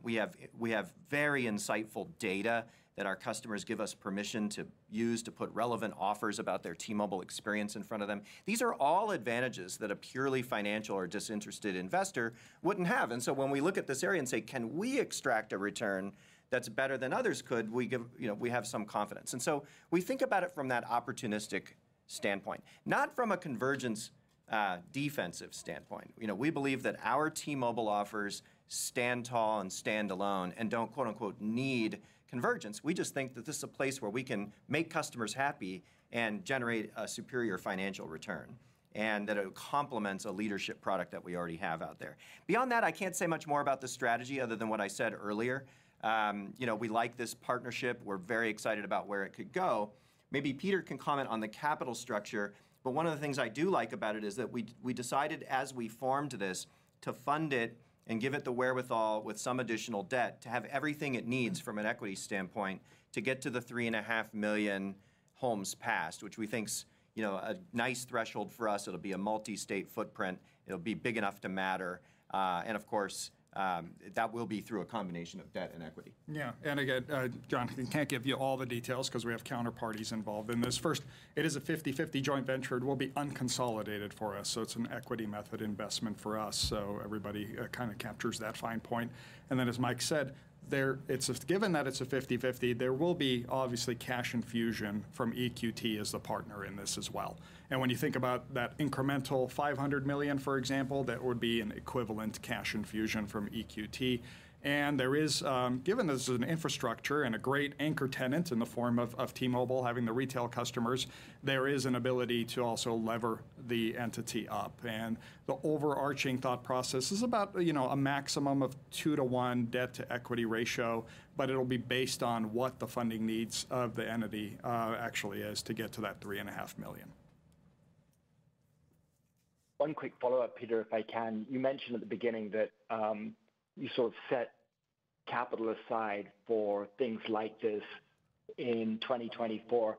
[SPEAKER 12] We have, we have very insightful data that our customers give us permission to use to put relevant offers about their T-Mobile experience in front of them. These are all advantages that a purely financial or disinterested investor wouldn't have. And so when we look at this area and say, "Can we extract a return that's better than others could?" We give, you know, we have some confidence. And so we think about it from that opportunistic standpoint, not from a convergence, defensive standpoint. You know, we believe that our T-Mobile offers stand tall and stand alone and don't, quote, unquote, "need convergence." We just think that this is a place where we can make customers happy and generate a superior financial return, and that it complements a leadership product that we already have out there. Beyond that, I can't say much more about the strategy other than what I said earlier. You know, we like this partnership. We're very excited about where it could go. Maybe Peter can comment on the capital structure, but one of the things I do like about it is that we decided as we formed this to fund it and give it the wherewithal with some additional debt to have everything it needs from an equity standpoint to get to the 3.5 million homes passed. Which we think is, you know, a nice threshold for us. It'll be a multi-state footprint. It'll be big enough to matter, and, of course, that will be through a combination of debt and equity.
[SPEAKER 5] Yeah. And again, Jon, I can't give you all the details 'cause we have counterparties involved in this. First, it is a 50/50 joint venture. It will be unconsolidated for us, so it's an equity method investment for us. So everybody kind of captures that fine point. And then, as Mike said, there it's a given that it's a 50/50, there will be obviously cash infusion from EQT as the partner in this as well. And when you think about that incremental $500 million, for example, that would be an equivalent cash infusion from EQT. And there is, given this is an infrastructure and a great anchor tenant in the form of T-Mobile having the retail customers, there is an ability to also lever the entity up. And the overarching thought process is about, you know, a maximum of 2-to-1 debt-to-equity ratio, but it'll be based on what the funding needs of the entity actually is to get to that 3.5 million.
[SPEAKER 13] One quick follow-up, Peter, if I can. You mentioned at the beginning that you sort of set capital aside for things like this in 2024.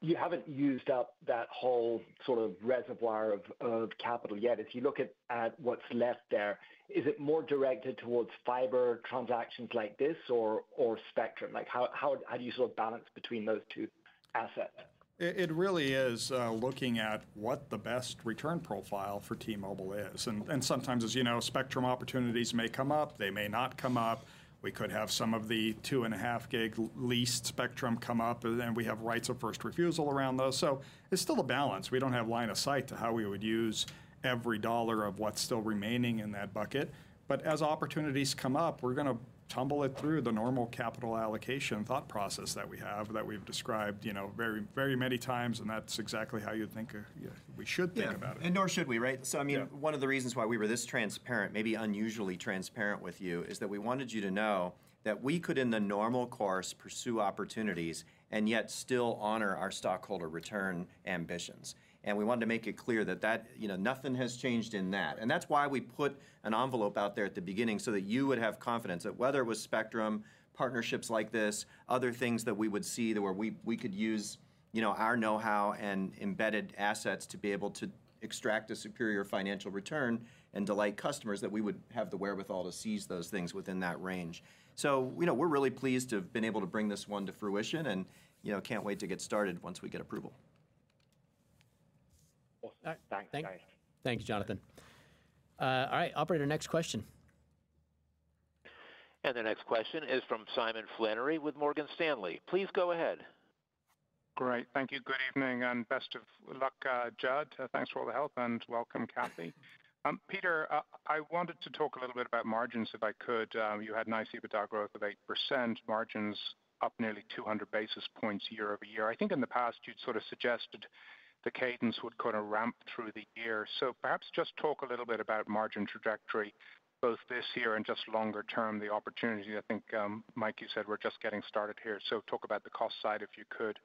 [SPEAKER 13] You haven't used up that whole sort of reservoir of capital yet. If you look at what's left there, is it more directed towards fiber transactions like this or spectrum? Like, how do you sort of balance between those two assets?
[SPEAKER 5] It really is looking at what the best return profile for T-Mobile is. And sometimes, as you know, spectrum opportunities may come up, they may not come up. We could have some of the 2.5 GHz leased spectrum come up, and we have rights of first refusal around those. So it's still a balance. We don't have line of sight to how we would use every dollar of what's still remaining in that bucket. But as opportunities come up, we're gonna tumble it through the normal capital allocation thought process that we have, that we've described, you know, very, very many times, and that's exactly how you'd think we should think about it.
[SPEAKER 4] Yeah, and nor should we, right?
[SPEAKER 5] Yeah.
[SPEAKER 4] So I mean, one of the reasons why we were this transparent, maybe unusually transparent with you, is that we wanted you to know that we could, in the normal course, pursue opportunities and yet still honor our stockholder return ambitions. And we wanted to make it clear that that, you know, nothing has changed in that. And that's why we put an envelope out there at the beginning so that you would have confidence that whether it was spectrum, partnerships like this, other things that we would see where we, we could use, you know, our know-how and embedded assets to be able to extract a superior financial return and delight customers, that we would have the wherewithal to seize those things within that range. So, you know, we're really pleased to have been able to bring this one to fruition and, you know, can't wait to get started once we get approval.
[SPEAKER 13] Awesome. Thank you, guys.
[SPEAKER 3] Thank you, Jonathan. All right, operator, next question.
[SPEAKER 2] The next question is from Simon Flannery with Morgan Stanley. Please go ahead.
[SPEAKER 14] Great, thank you. Good evening, and best of luck, Jud. Thanks for all the help, and welcome, Kathy. Peter, I wanted to talk a little bit about margins, if I could. You had nice EBITDA growth of 8%, margins up nearly 200 basis points year-over-year. I think in the past you'd sort of suggested the cadence would kind of ramp through the year. So perhaps just talk a little bit about margin trajectory, both this year and just longer term, the opportunity. I think, Mike, you said we're just getting started here, so talk about the cost side, if you could.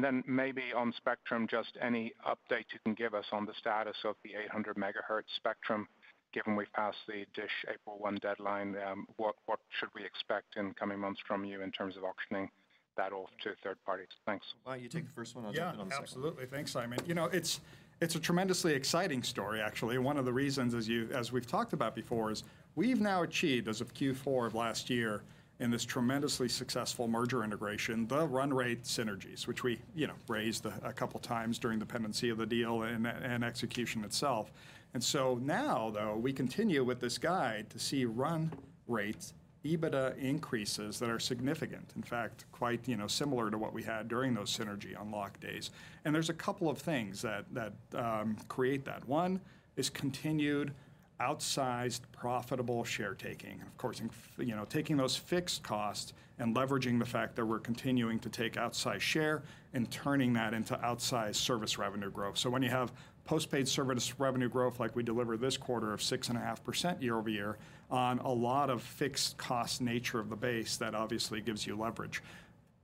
[SPEAKER 14] Then maybe on spectrum, just any update you can give us on the status of the 800 MHz spectrum, given we've passed the DISH April 1 deadline, what should we expect in coming months from you in terms of auctioning that off to third parties? Thanks.
[SPEAKER 4] Why don't you take the first one? I'll take the second.
[SPEAKER 5] Yeah, absolutely. Thanks, Simon. You know, it's, it's a tremendously exciting story, actually. One of the reasons, as you-- as we've talked about before, is we've now achieved, as of Q4 of last year, in this tremendously successful merger integration, the run rate synergies, which we, you know, raised a, a couple times during the pendency of the deal and, and execution itself. And so now, though, we continue with this guide to see run rates, EBITDA increases that are significant, in fact, quite, you know, similar to what we had during those synergy unlock days. And there's a couple of things that, that, create that. One is continued outsized, profitable share taking.... of course, in, you know, taking those fixed costs and leveraging the fact that we're continuing to take outsize share and turning that into outsized service revenue growth. So when you have postpaid service revenue growth, like we delivered this quarter of 6.5% year-over-year, on a lot of fixed cost nature of the base, that obviously gives you leverage.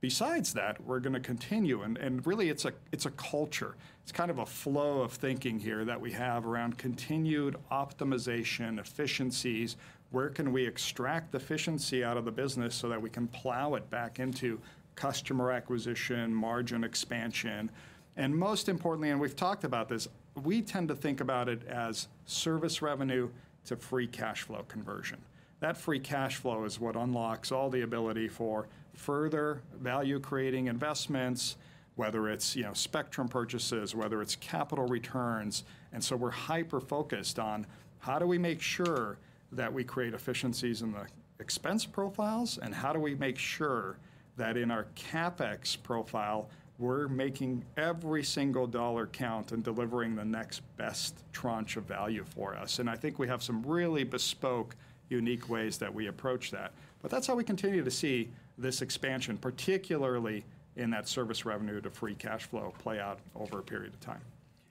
[SPEAKER 5] Besides that, we're gonna continue, and, and really it's a, it's a culture. It's kind of a flow of thinking here that we have around continued optimization, efficiencies, where can we extract efficiency out of the business so that we can plow it back into customer acquisition, margin expansion? And most importantly, and we've talked about this, we tend to think about it as service revenue to free cash flow conversion. That free cash flow is what unlocks all the ability for further value-creating investments, whether it's, you know, spectrum purchases, whether it's capital returns. And so we're hyper-focused on how do we make sure that we create efficiencies in the expense profiles, and how do we make sure that in our CapEx profile, we're making every single dollar count and delivering the next best tranche of value for us? And I think we have some really bespoke, unique ways that we approach that. But that's how we continue to see this expansion, particularly in that service revenue to free cash flow play out over a period of time.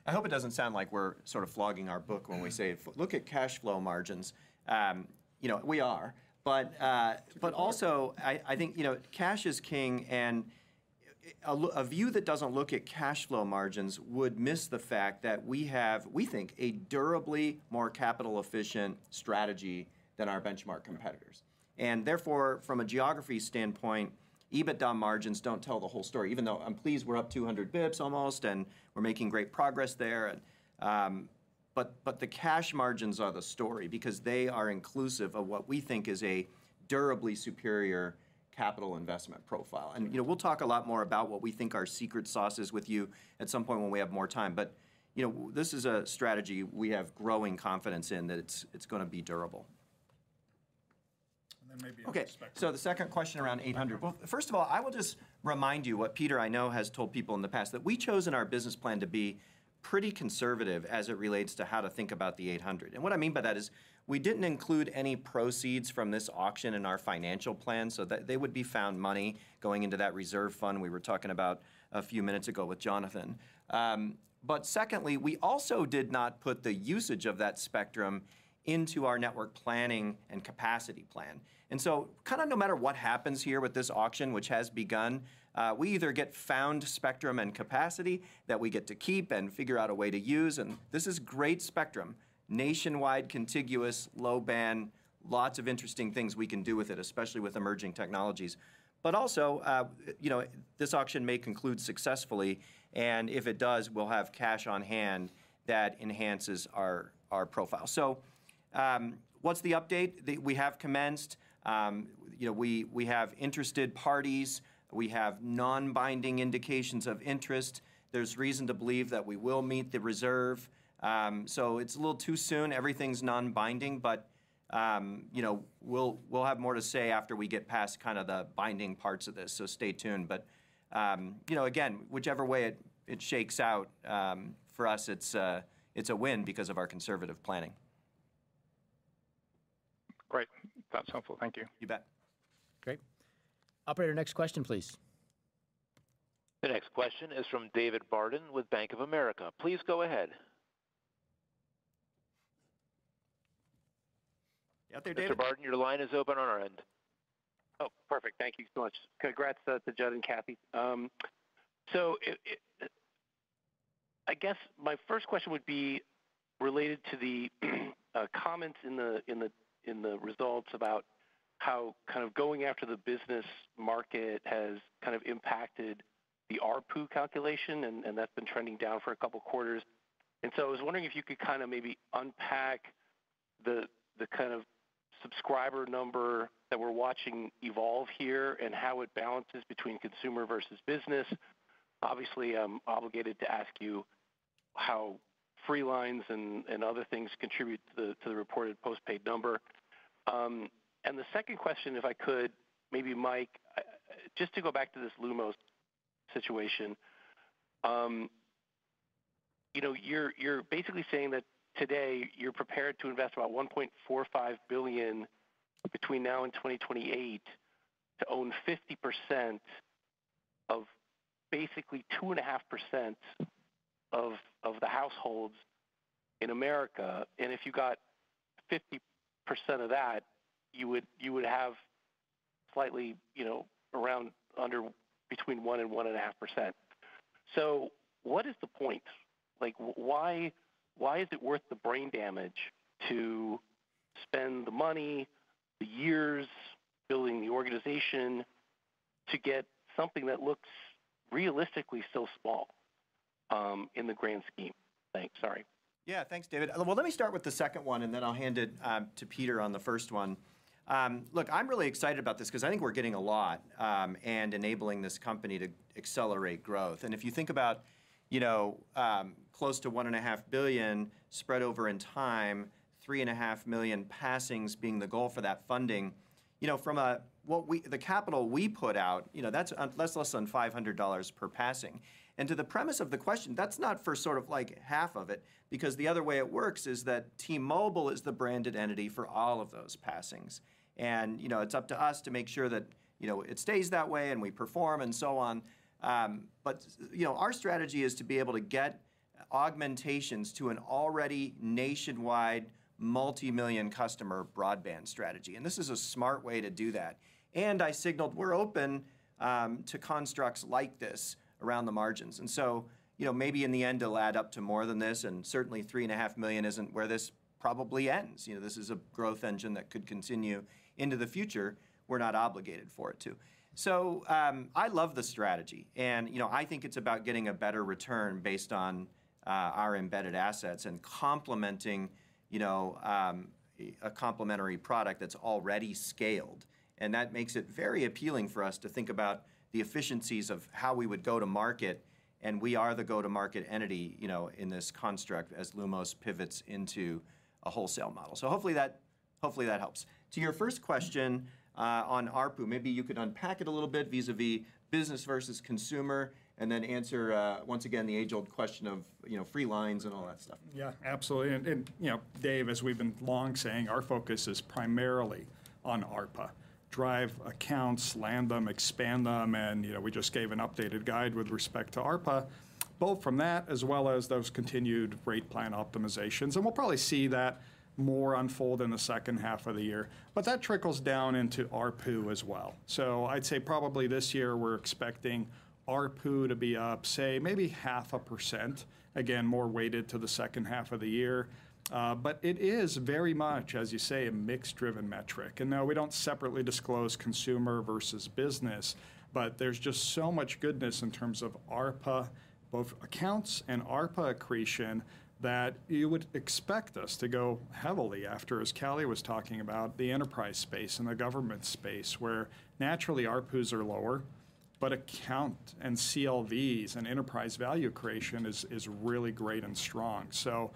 [SPEAKER 4] I hope it doesn't sound like we're sort of flogging our book When we say, "Look at cash flow margins." You know, we are, but also, I think, you know, cash is king, and a view that doesn't look at cash flow margins would miss the fact that we have, we think, a durably more capital-efficient strategy than our benchmark competitors. And therefore, from a geography standpoint, EBITDA margins don't tell the whole story, even though I'm pleased we're up 200 basis points almost, and we're making great progress there. But the cash margins are the story because they are inclusive of what we think is a durably superior capital investment profille. You know, we'll talk a lot more about what we think our secret sauce is with you at some point when we have more time. But, you know, this is a strategy we have growing confidence in, that it's, it's gonna be durable.
[SPEAKER 5] And then maybe on spectrum.
[SPEAKER 4] Okay, so the second question around 800. Well, first of all, I will just remind you what Peter, I know, has told people in the past, that we chose in our business plan to be pretty conservative as it relates to how to think about the 800. And what I mean by that is, we didn't include any proceeds from this auction in our financial plan, so that they would be found money going into that reserve fund we were talking about a few minutes ago with Jonathan. But secondly, we also did not put the usage of that spectrum into our network planning and capacity plan. And so, kinda no matter what happens here with this auction, which has begun, we either get found spectrum and capacity that we get to keep and figure out a way to use, and this is great spectrum, nationwide, contiguous, low-band, lots of interesting things we can do with it, especially with emerging technologies. But also, you know, this auction may conclude successfully, and if it does, we'll have cash on hand that enhances our profile. So, what's the update? We have commenced. You know, we have interested parties. We have non-binding indications of interest. There's reason to believe that we will meet the reserve. So it's a little too soon. Everything's non-binding, but, you know, we'll have more to say after we get past kinda the binding parts of this, so stay tuned. But, you know, again, whichever way it shakes out, for us, it's a win because of our conservative planning.
[SPEAKER 14] Great. That's helpful. Thank you.
[SPEAKER 4] You bet.
[SPEAKER 3] Great. Operator, next question, please.
[SPEAKER 2] The next question is from David Barden with Bank of America. Please go ahead.
[SPEAKER 3] Out there, David?
[SPEAKER 2] Mr. Barden, your line is open on our end.
[SPEAKER 15] Oh, perfect. Thank you so much. Congrats to Jud and Kathy. So I guess my first question would be related to the comments in the results about how kind of going after the business market has kind of impacted the ARPU calculation, and that's been trending down for a couple quarters. So I was wondering if you could kinda maybe unpack the kind of subscriber number that we're watching evolve here and how it balances between consumer versus business. Obviously, I'm obligated to ask you how free lines and other things contribute to the reported postpaid number. And the second question, if I could, maybe Mike, just to go back to this Lumos situation, you know, you're, you're basically saying that today, you're prepared to invest about $1.45 billion between now and 2028 to own 50% of basically 2.5% of, of the households in America. And if you got 50% of that, you would, you would have slightly, you know, around under between 1% and 1.5%. So what is the point? Like, why, why is it worth the brain damage to spend the money, the years building the organization to get something that looks realistically so small, in the grand scheme? Thanks. Sorry.
[SPEAKER 4] Yeah. Thanks, David. Well, let me start with the second one, and then I'll hand it to Peter on the first one. Look, I'm really excited about this 'cause I think we're getting a lot, and enabling this company to accelerate growth. And if you think about, you know, close to $1.5 billion spread over in time, 3.5 million passings being the goal for that funding - you know, from what we, the capital we put out, you know, that's less than $500 per passing. And to the premise of the question, that's not for sort of like half of it, because the other way it works is that T-Mobile is the branded entity for all of those passings. You know, it's up to us to make sure that, you know, it stays that way, and we perform, and so on. But, you know, our strategy is to be able to get augmentations to an already nationwide, multimillion customer broadband strategy, and this is a smart way to do that. I signaled we're open to constructs like this around the margins. So, you know, maybe in the end, it'll add up to more than this, and certainly 3.5 million isn't where this probably ends. You know, this is a growth engine that could continue into the future. We're not obligated for it to. I love the strategy, and, you know, I think it's about getting a better return based on our embedded assets and complementing, you know, a complementary product that's already scaled. That makes it very appealing for us to think about the efficiencies of how we would go to market, and we are the go-to-market entity, you know, in this construct as Lumos pivots into a wholesale model. So hopefully that helps. To your first question, on ARPU, maybe you could unpack it a little bit vis-à-vis business versus consumer, and then answer, once again, the age-old question of, you know, free lines and all that stuff.
[SPEAKER 5] Yeah, absolutely. And, you know, Dave, as we've been long saying, our focus is primarily on ARPA. Drive accounts, land them, expand them, and, you know, we just gave an updated guide with respect to ARPA, both from that, as well as those continued rate plan optimizations. And we'll probably see that more unfold in the second half of the year, but that trickles down into ARPU as well. So I'd say probably this year, we're expecting ARPU to be up, say, maybe 0.5%, again, more weighted to the second half of the year. But it is very much, as you say, a mix-driven metric. And no, we don't separately disclose consumer versus business, but there's just so much goodness in terms of ARPA, both accounts and ARPA accretion, that you would expect us to go heavily after, as Callie was talking about, the enterprise space and the government space, where naturally ARPU's are lower, but account and CLVs and enterprise value creation is really great and strong. So,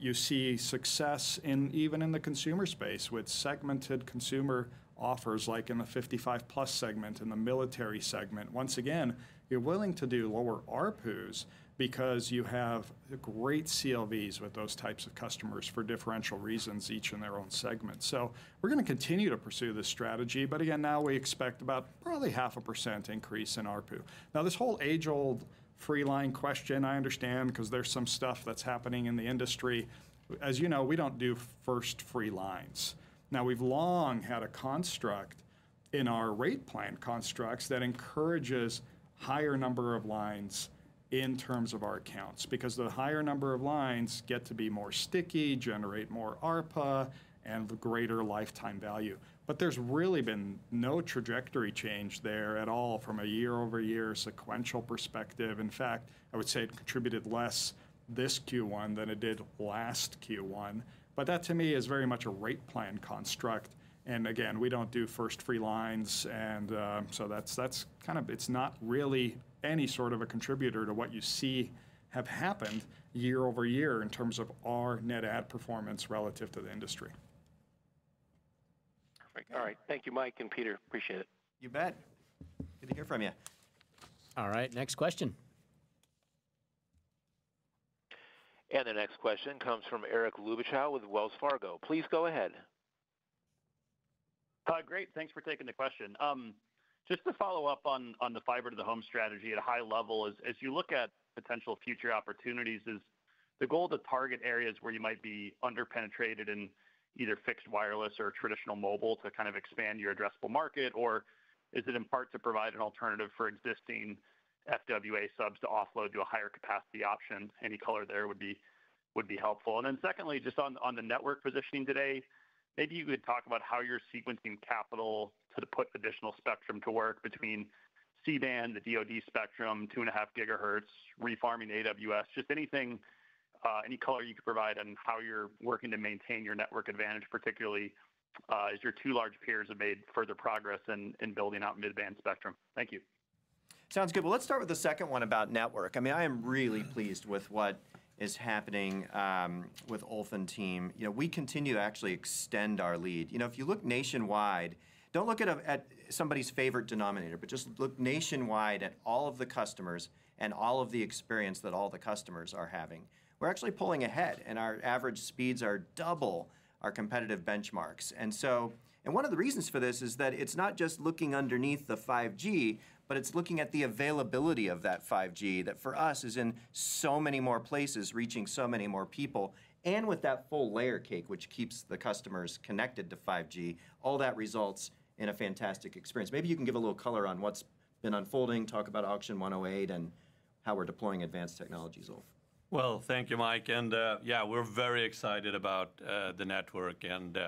[SPEAKER 5] you see success in even in the consumer space, with segmented consumer offers, like in the 55-plus segment and the military segment. Once again, you're willing to do lower ARPUs because you have great CLVs with those types of customers for differential reasons, each in their own segment. So we're gonna continue to pursue this strategy, but again, now we expect about probably 0.5% increase in ARPU. Now, this whole age-old free line question, I understand because there's some stuff that's happening in the industry. As you know, we don't do first free lines. Now, we've long had a construct in our rate plan constructs that encourages higher number of lines in terms of our accounts. Because the higher number of lines get to be more sticky, generate more ARPA, and the greater lifetime value. But there's really been no trajectory change there at all from a year-over-year sequential perspective. In fact, I would say it contributed less this Q1 than it did last Q1, but that to me is very much a rate plan construct, and again, we don't do first free lines, and so that's kind of it's not really any sort of a contributor to what you see have happened year-over-year in terms of our net add performance relative to the industry.
[SPEAKER 15] Great. All right. Thank you, Mike and Peter. Appreciate it.
[SPEAKER 4] You bet. Good to hear from you.
[SPEAKER 3] All right, next question.
[SPEAKER 2] The next question comes from Eric Luebchow with Wells Fargo. Please go ahead.
[SPEAKER 16] Great, thanks for taking the question. Just to follow up on the fiber to the home strategy at a high level, as you look at potential future opportunities, is the goal to target areas where you might be under-penetrated in either fixed wireless or traditional mobile to kind of expand your addressable market? Or is it in part to provide an alternative for existing FWA subs to offload to a higher capacity option? Any color there would be helpful. And then secondly, just on the network positioning today, maybe you could talk about how you're sequencing capital to put additional spectrum to work between C-band, the DoD spectrum, 2.5 gigahertz, refarming AWS. Just anything, any color you could provide on how you're working to maintain your network advantage, particularly, as your two large peers have made further progress in building out mid-band spectrum. Thank you.
[SPEAKER 4] Sounds good. Well, let's start with the second one about network. I mean, I am really pleased with what is happening with Ulf and team. You know, we continue to actually extend our lead. You know, if you look nationwide, don't look at somebody's favorite denominator, but just look nationwide at all of the customers and all of the experience that all the customers are having. We're actually pulling ahead, and our average speeds are double our competitive benchmarks. And so one of the reasons for this is that it's not just looking underneath the 5G, but it's looking at the availability of that 5G, that for us is in so many more places, reaching so many more people. And with that full layer cake, which keeps the customers connected to 5G, all that results in a fantastic experience. Maybe you can give a little color on what's been unfolding, talk about Auction 108 and how we're deploying advanced technologies, Ulf.
[SPEAKER 17] Well, thank you, Mike. And, yeah, we're very excited about the network and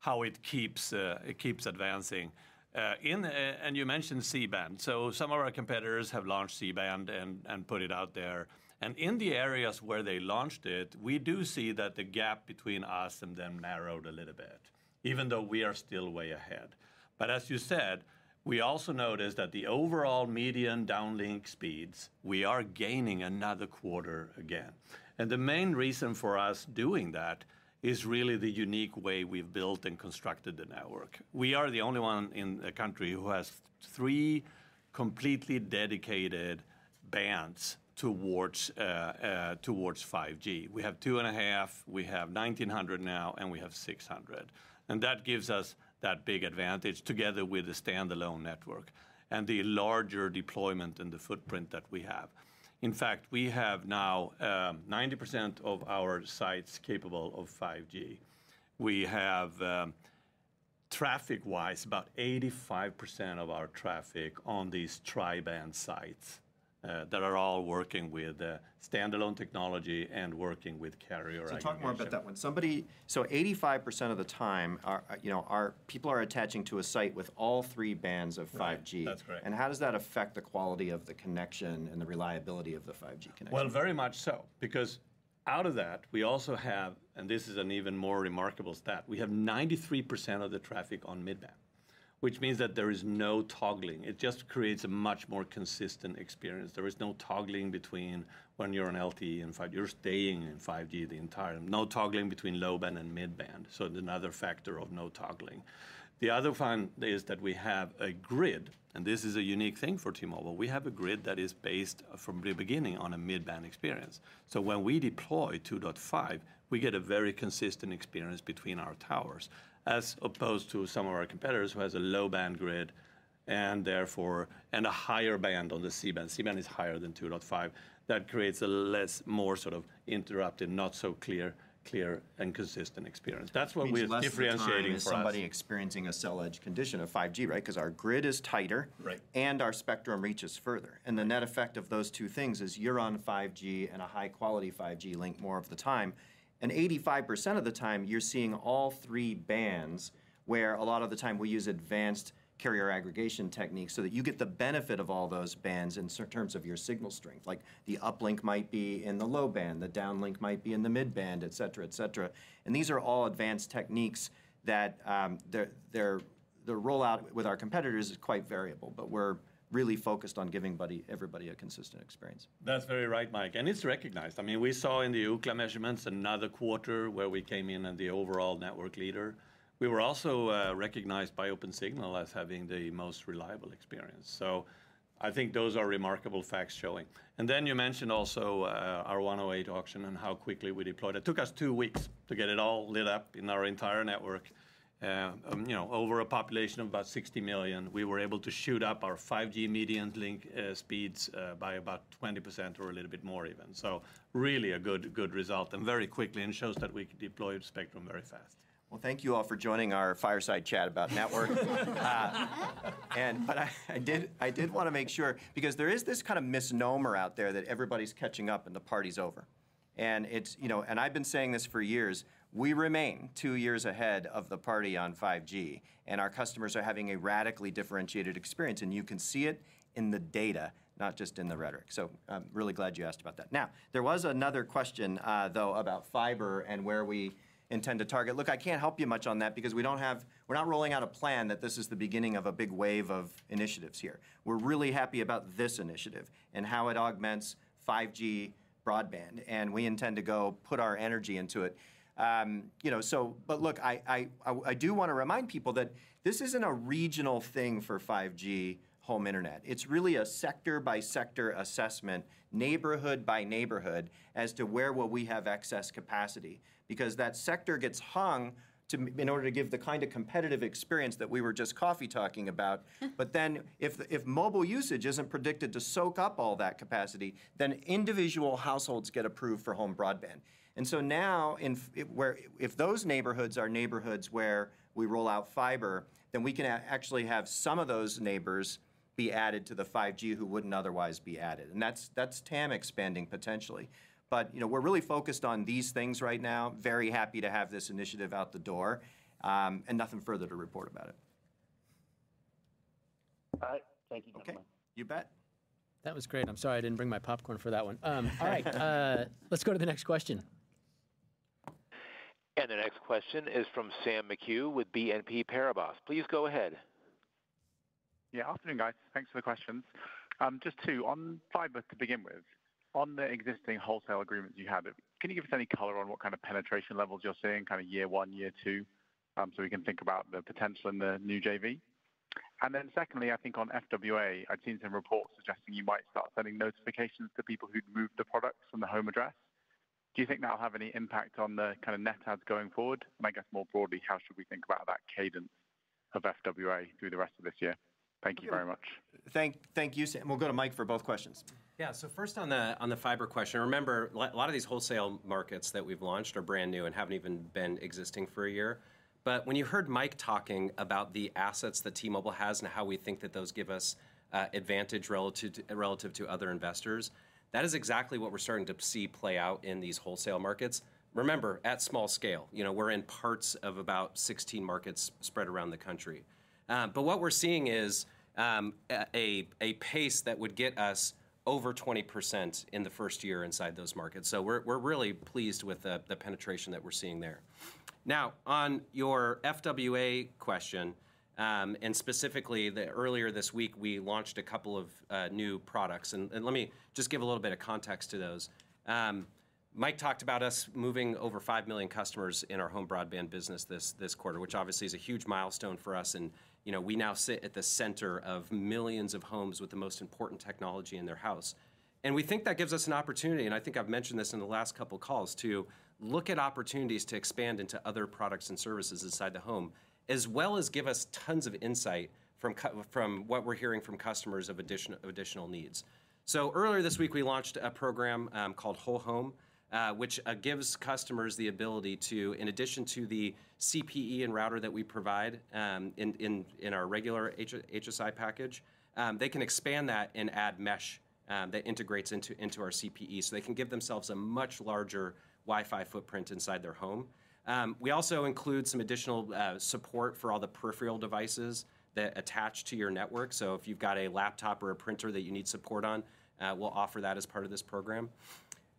[SPEAKER 17] how it keeps advancing. And you mentioned C-band, so some of our competitors have launched C-band and put it out there. And in the areas where they launched it, we do see that the gap between us and them narrowed a little bit, even though we are still way ahead. ... But as you said, we also noticed that the overall median downlink speeds, we are gaining another quarter again. And the main reason for us doing that is really the unique way we've built and constructed the network. We are the only one in the country who has three completely dedicated bands towards 5G. We have 2.5, we have 1900 now, and we have 600, and that gives us that big advantage together with the standalone network and the larger deployment and the footprint that we have. In fact, we have now 90% of our sites capable of 5G. We have traffic-wise, about 85% of our traffic on these tri-band sites that are all working with standalone technology and working with carrier aggregation.
[SPEAKER 4] Talk more about that one. 85% of the time, our, you know, our people are attaching to a site with all three bands of 5G.
[SPEAKER 17] Right. That's correct.
[SPEAKER 4] How does that affect the quality of the connection and the reliability of the 5G connection?
[SPEAKER 17] Well, very much so, because out of that, we also have, and this is an even more remarkable stat, we have 93% of the traffic on mid-band, which means that there is no toggling. It just creates a much more consistent experience. There is no toggling between when you're on LTE and 5, you're staying in 5G the entire time. No toggling between low band and mid-band, so another factor of no toggling. The other one is that we have a grid, and this is a unique thing for T-Mobile. We have a grid that is based from the beginning on a mid-band experience. So when we deploy 2.5, we get a very consistent experience between our towers, as opposed to some of our competitors who has a low-band grid and therefore, and a higher band on the C-band. C-band is higher than 2.5. That creates a more sort of interrupted, not so clear and consistent experience. That's what we differentiating for us.
[SPEAKER 4] Means less of the time is somebody experiencing a cell edge condition of 5G, right? Because our grid is tighter-
[SPEAKER 17] Right...
[SPEAKER 4] and our spectrum reaches further. And the net effect of those two things is you're on 5G and a high-quality 5G link more of the time. And 85% of the time, you're seeing all three bands, where a lot of the time we use advanced carrier aggregation techniques so that you get the benefit of all those bands in terms of your signal strength. Like the uplink might be in the low band, the downlink might be in the mid band, et cetera, et cetera. And these are all advanced techniques that, their, their, the rollout with our competitors is quite variable, but we're really focused on giving buddy, everybody a consistent experience.
[SPEAKER 17] That's very right, Mike, and it's recognized. I mean, we saw in the Ookla measurements another quarter where we came in as the overall network leader. We were also recognized by Opensignal as having the most reliable experience. So I think those are remarkable facts showing. And then you mentioned also our 108 auction and how quickly we deployed. It took us 2 weeks to get it all lit up in our entire network. You know, over a population of about 60 million, we were able to shoot up our 5G median link speeds by about 20% or a little bit more even. So really a good, good result, and very quickly, and shows that we can deploy spectrum very fast.
[SPEAKER 4] Well, thank you all for joining our fireside chat about network. But I did wanna make sure, because there is this kind of misnomer out there that everybody's catching up and the party's over. And it's, you know, and I've been saying this for years, we remain two years ahead of the party on 5G, and our customers are having a radically differentiated experience, and you can see it in the data, not just in the rhetoric. So I'm really glad you asked about that. Now, there was another question, though, about fiber and where we intend to target. Look, I can't help you much on that because we don't have, we're not rolling out a plan that this is the beginning of a big wave of initiatives here. We're really happy about this initiative and how it augments 5G broadband, and we intend to go put our energy into it. You know, but look, I do wanna remind people that this isn't a regional thing for 5G home internet. It's really a sector-by-sector assessment, neighborhood by neighborhood, as to where will we have excess capacity. Because that sector gets hung in order to give the kind of competitive experience that we were just coffee talking about. But then, if mobile usage isn't predicted to soak up all that capacity, then individual households get approved for home broadband. And so now, if those neighborhoods are neighborhoods where we roll out fiber, then we can actually have some of those neighbors be added to the 5G who wouldn't otherwise be added, and that's TAM expanding potentially. But you know, we're really focused on these things right now. Very happy to have this initiative out the door, and nothing further to report about it.
[SPEAKER 16] All right. Thank you, Mike.
[SPEAKER 4] Okay, you bet.
[SPEAKER 3] That was great. I'm sorry I didn't bring my popcorn for that one. All right, let's go to the next question.
[SPEAKER 2] The next question is from Sam McHugh with BNP Paribas. Please go ahead.
[SPEAKER 18] Yeah, afternoon, guys. Thanks for the questions. Just two, on fiber to begin with, on the existing wholesale agreements you have, can you give us any color on what kind of penetration levels you're seeing, kind of year one, year two, so we can think about the potential in the new JV? And then secondly, I think on FWA, I've seen some reports suggesting you might start sending notifications to people who'd moved the products from the home address. Do you think that'll have any impact on the kind of net adds going forward? And I guess more broadly, how should we think about that cadence of FWA through the rest of this year? Thank you very much.
[SPEAKER 4] Thank you, Sam. We'll go to Mike for both questions.
[SPEAKER 12] Yeah. So first on the fiber question, remember, a lot of these wholesale markets that we've launched are brand new and haven't even been existing for a year. But when you heard Mike talking about the assets that T-Mobile has and how we think that those give us advantage relative to other investors, that is exactly what we're starting to see play out in these wholesale markets. Remember, at small scale, you know, we're in parts of about 16 markets spread around the country. But what we're seeing is a pace that would get us over 20% in the first year inside those markets. So we're really pleased with the penetration that we're seeing there.... Now, on your FWA question, and specifically the earlier this week, we launched a couple of new products. And let me just give a little bit of context to those. Mike talked about us moving over 5 million customers in our home broadband business this quarter, which obviously is a huge milestone for us. You know, we now sit at the center of millions of homes with the most important technology in their house. We think that gives us an opportunity, and I think I've mentioned this in the last couple calls, to look at opportunities to expand into other products and services inside the home, as well as give us tons of insight from what we're hearing from customers of additional needs. So earlier this week, we launched a program called Whole Home, which gives customers the ability to, in addition to the CPE and router that we provide, in our regular HSI package, they can expand that and add mesh that integrates into our CPE. So they can give themselves a much larger Wi-Fi footprint inside their home. We also include some additional support for all the peripheral devices that attach to your network. So if you've got a laptop or a printer that you need support on, we'll offer that as part of this program.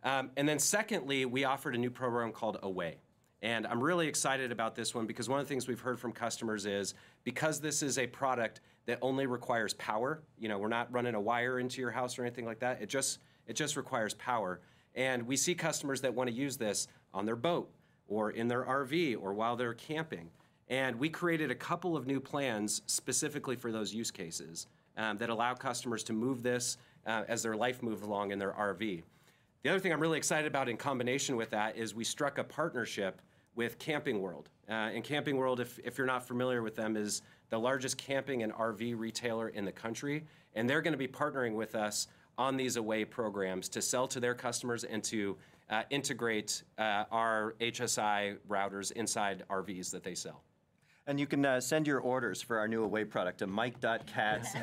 [SPEAKER 12] And then secondly, we offered a new program called Away. I'm really excited about this one because one of the things we've heard from customers is, because this is a product that only requires power, you know, we're not running a wire into your house or anything like that, it just, it just requires power. We see customers that wanna use this on their boat, or in their RV, or while they're camping. We created a couple of new plans specifically for those use cases that allow customers to move this, as their life move along in their RV. The other thing I'm really excited about in combination with that, is we struck a partnership with Camping World. and Camping World, if you're not familiar with them, is the largest camping and RV retailer in the country, and they're gonna be partnering with us on these Away programs to sell to their customers and to integrate our HSI routers inside RVs that they sell.
[SPEAKER 4] And you can send your orders for our new Away product to Mike.Katz@-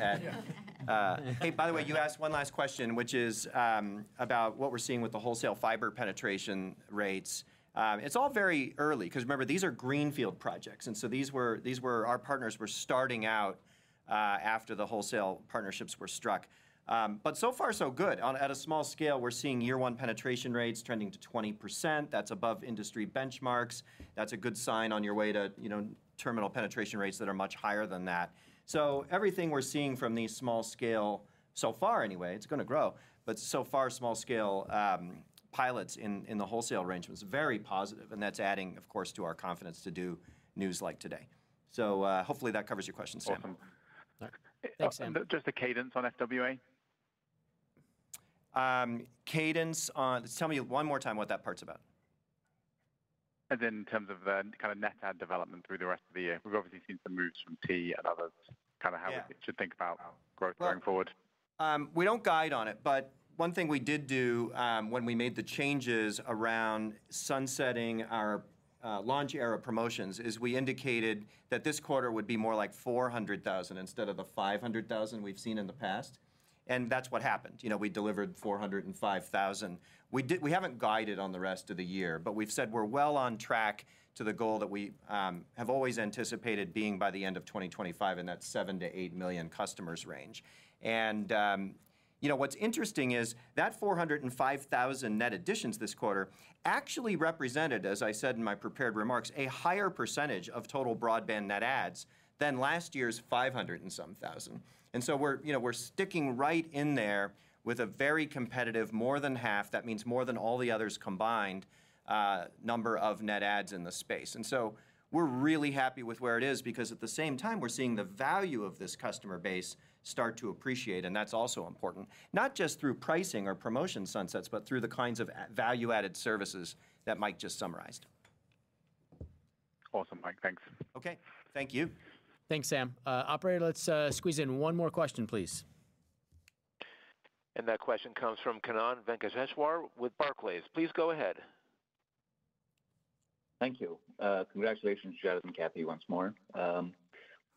[SPEAKER 4] Hey, by the way, you asked one last question, which is about what we're seeing with the wholesale fiber penetration rates. It's all very early, 'cause remember, these are greenfield projects, and so these were. Our partners were starting out after the wholesale partnerships were struck. But so far, so good. On a small scale, we're seeing year one penetration rates trending to 20%. That's above industry benchmarks. That's a good sign on your way to, you know, terminal penetration rates that are much higher than that. So everything we're seeing from these small scale, so far anyway, it's gonna grow, but so far, small scale pilots in the wholesale range was very positive, and that's adding, of course, to our confidence to do news like today. So hopefully that covers your question, Sam.
[SPEAKER 18] Awesome.
[SPEAKER 4] Thanks, Sam.
[SPEAKER 18] Just the cadence on FWA?
[SPEAKER 4] Cadence on... Tell me one more time what that part's about?
[SPEAKER 18] In terms of the kinda net add development through the rest of the year, we've obviously seen some moves from T and others-
[SPEAKER 4] Yeah...
[SPEAKER 18] kinda how we should think about growth going forward.
[SPEAKER 4] We don't guide on it, but one thing we did do, when we made the changes around sunsetting our launch era promotions, is we indicated that this quarter would be more like 400,000 instead of the 500,000 we've seen in the past, and that's what happened. You know, we delivered 405,000. We haven't guided on the rest of the year, but we've said we're well on track to the goal that we have always anticipated being by the end of 2025, and that's 7-8 million customers range. You know, what's interesting is that 405,000 net additions this quarter actually represented, as I said in my prepared remarks, a higher percentage of total broadband net adds than last year's 500,000 and some thousand. And so we're, you know, we're sticking right in there with a very competitive, more than half, that means more than all the others combined, number of net adds in the space. And so we're really happy with where it is, because at the same time, we're seeing the value of this customer base start to appreciate, and that's also important, not just through pricing or promotion sunsets, but through the kinds of a value-added services that Mike just summarized.
[SPEAKER 18] Awesome, Mike. Thanks.
[SPEAKER 4] Okay, thank you.
[SPEAKER 3] Thanks, Sam. Operator, let's squeeze in one more question, please.
[SPEAKER 2] And that question comes from Kannan Venkateshwar with Barclays. Please go ahead.
[SPEAKER 19] Thank you. Congratulations, Jud and Kathy, once more.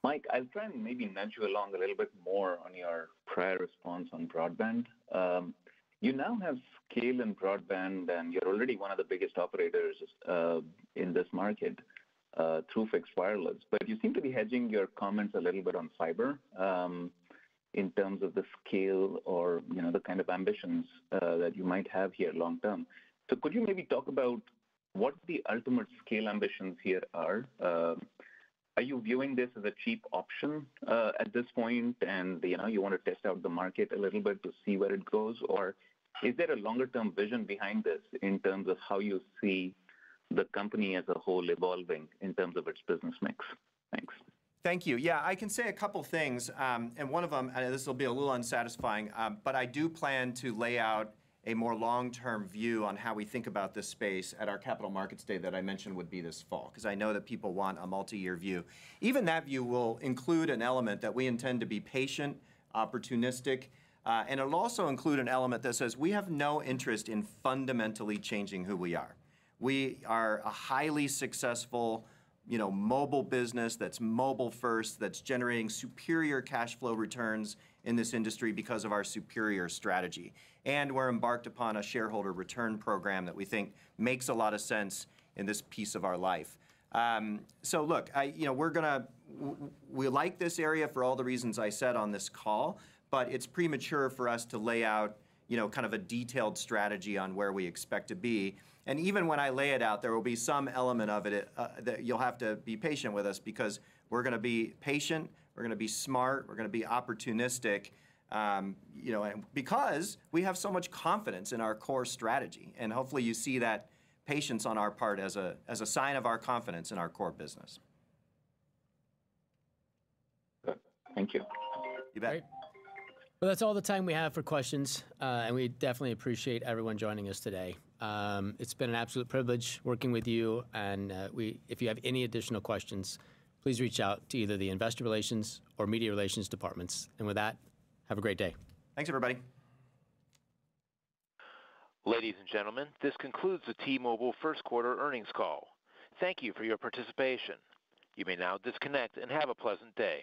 [SPEAKER 19] Mike, I'll try and maybe nudge you along a little bit more on your prior response on broadband. You now have scale in broadband, and you're already one of the biggest operators in this market through fixed wireless. But you seem to be hedging your comments a little bit on fiber, in terms of the scale or, you know, the kind of ambitions that you might have here long term. So could you maybe talk about what the ultimate scale ambitions here are? Are you viewing this as a cheap option at this point, and, you know, you want to test out the market a little bit to see where it goes? Or is there a longer term vision behind this in terms of how you see the company as a whole evolving in terms of its business mix? Thanks.
[SPEAKER 4] Thank you. Yeah, I can say a couple things, and one of them, this will be a little unsatisfying, but I do plan to lay out a more long-term view on how we think about this space at our capital markets day that I mentioned would be this fall, 'cause I know that people want a multi-year view. Even that view will include an element that we intend to be patient, opportunistic, and it'll also include an element that says we have no interest in fundamentally changing who we are. We are a highly successful, you know, mobile business that's mobile first, that's generating superior cash flow returns in this industry because of our superior strategy. We're embarked upon a shareholder return program that we think makes a lot of sense in this piece of our life. So look, I, you know, we're gonna we like this area for all the reasons I said on this call, but it's premature for us to lay out, you know, kind of a detailed strategy on where we expect to be. And even when I lay it out, there will be some element of it that you'll have to be patient with us because we're gonna be patient, we're gonna be smart, we're gonna be opportunistic, you know, and because we have so much confidence in our core strategy, and hopefully you see that patience on our part as a, as a sign of our confidence in our core business.
[SPEAKER 19] Good. Thank you.
[SPEAKER 4] You bet.
[SPEAKER 3] Great. Well, that's all the time we have for questions. We definitely appreciate everyone joining us today. It's been an absolute privilege working with you, and if you have any additional questions, please reach out to either the investor relations or media relations departments. With that, have a great day.
[SPEAKER 4] Thanks, everybody.
[SPEAKER 2] Ladies and gentlemen, this concludes the T-Mobile first quarter earnings call. Thank you for your participation. You may now disconnect and have a pleasant day.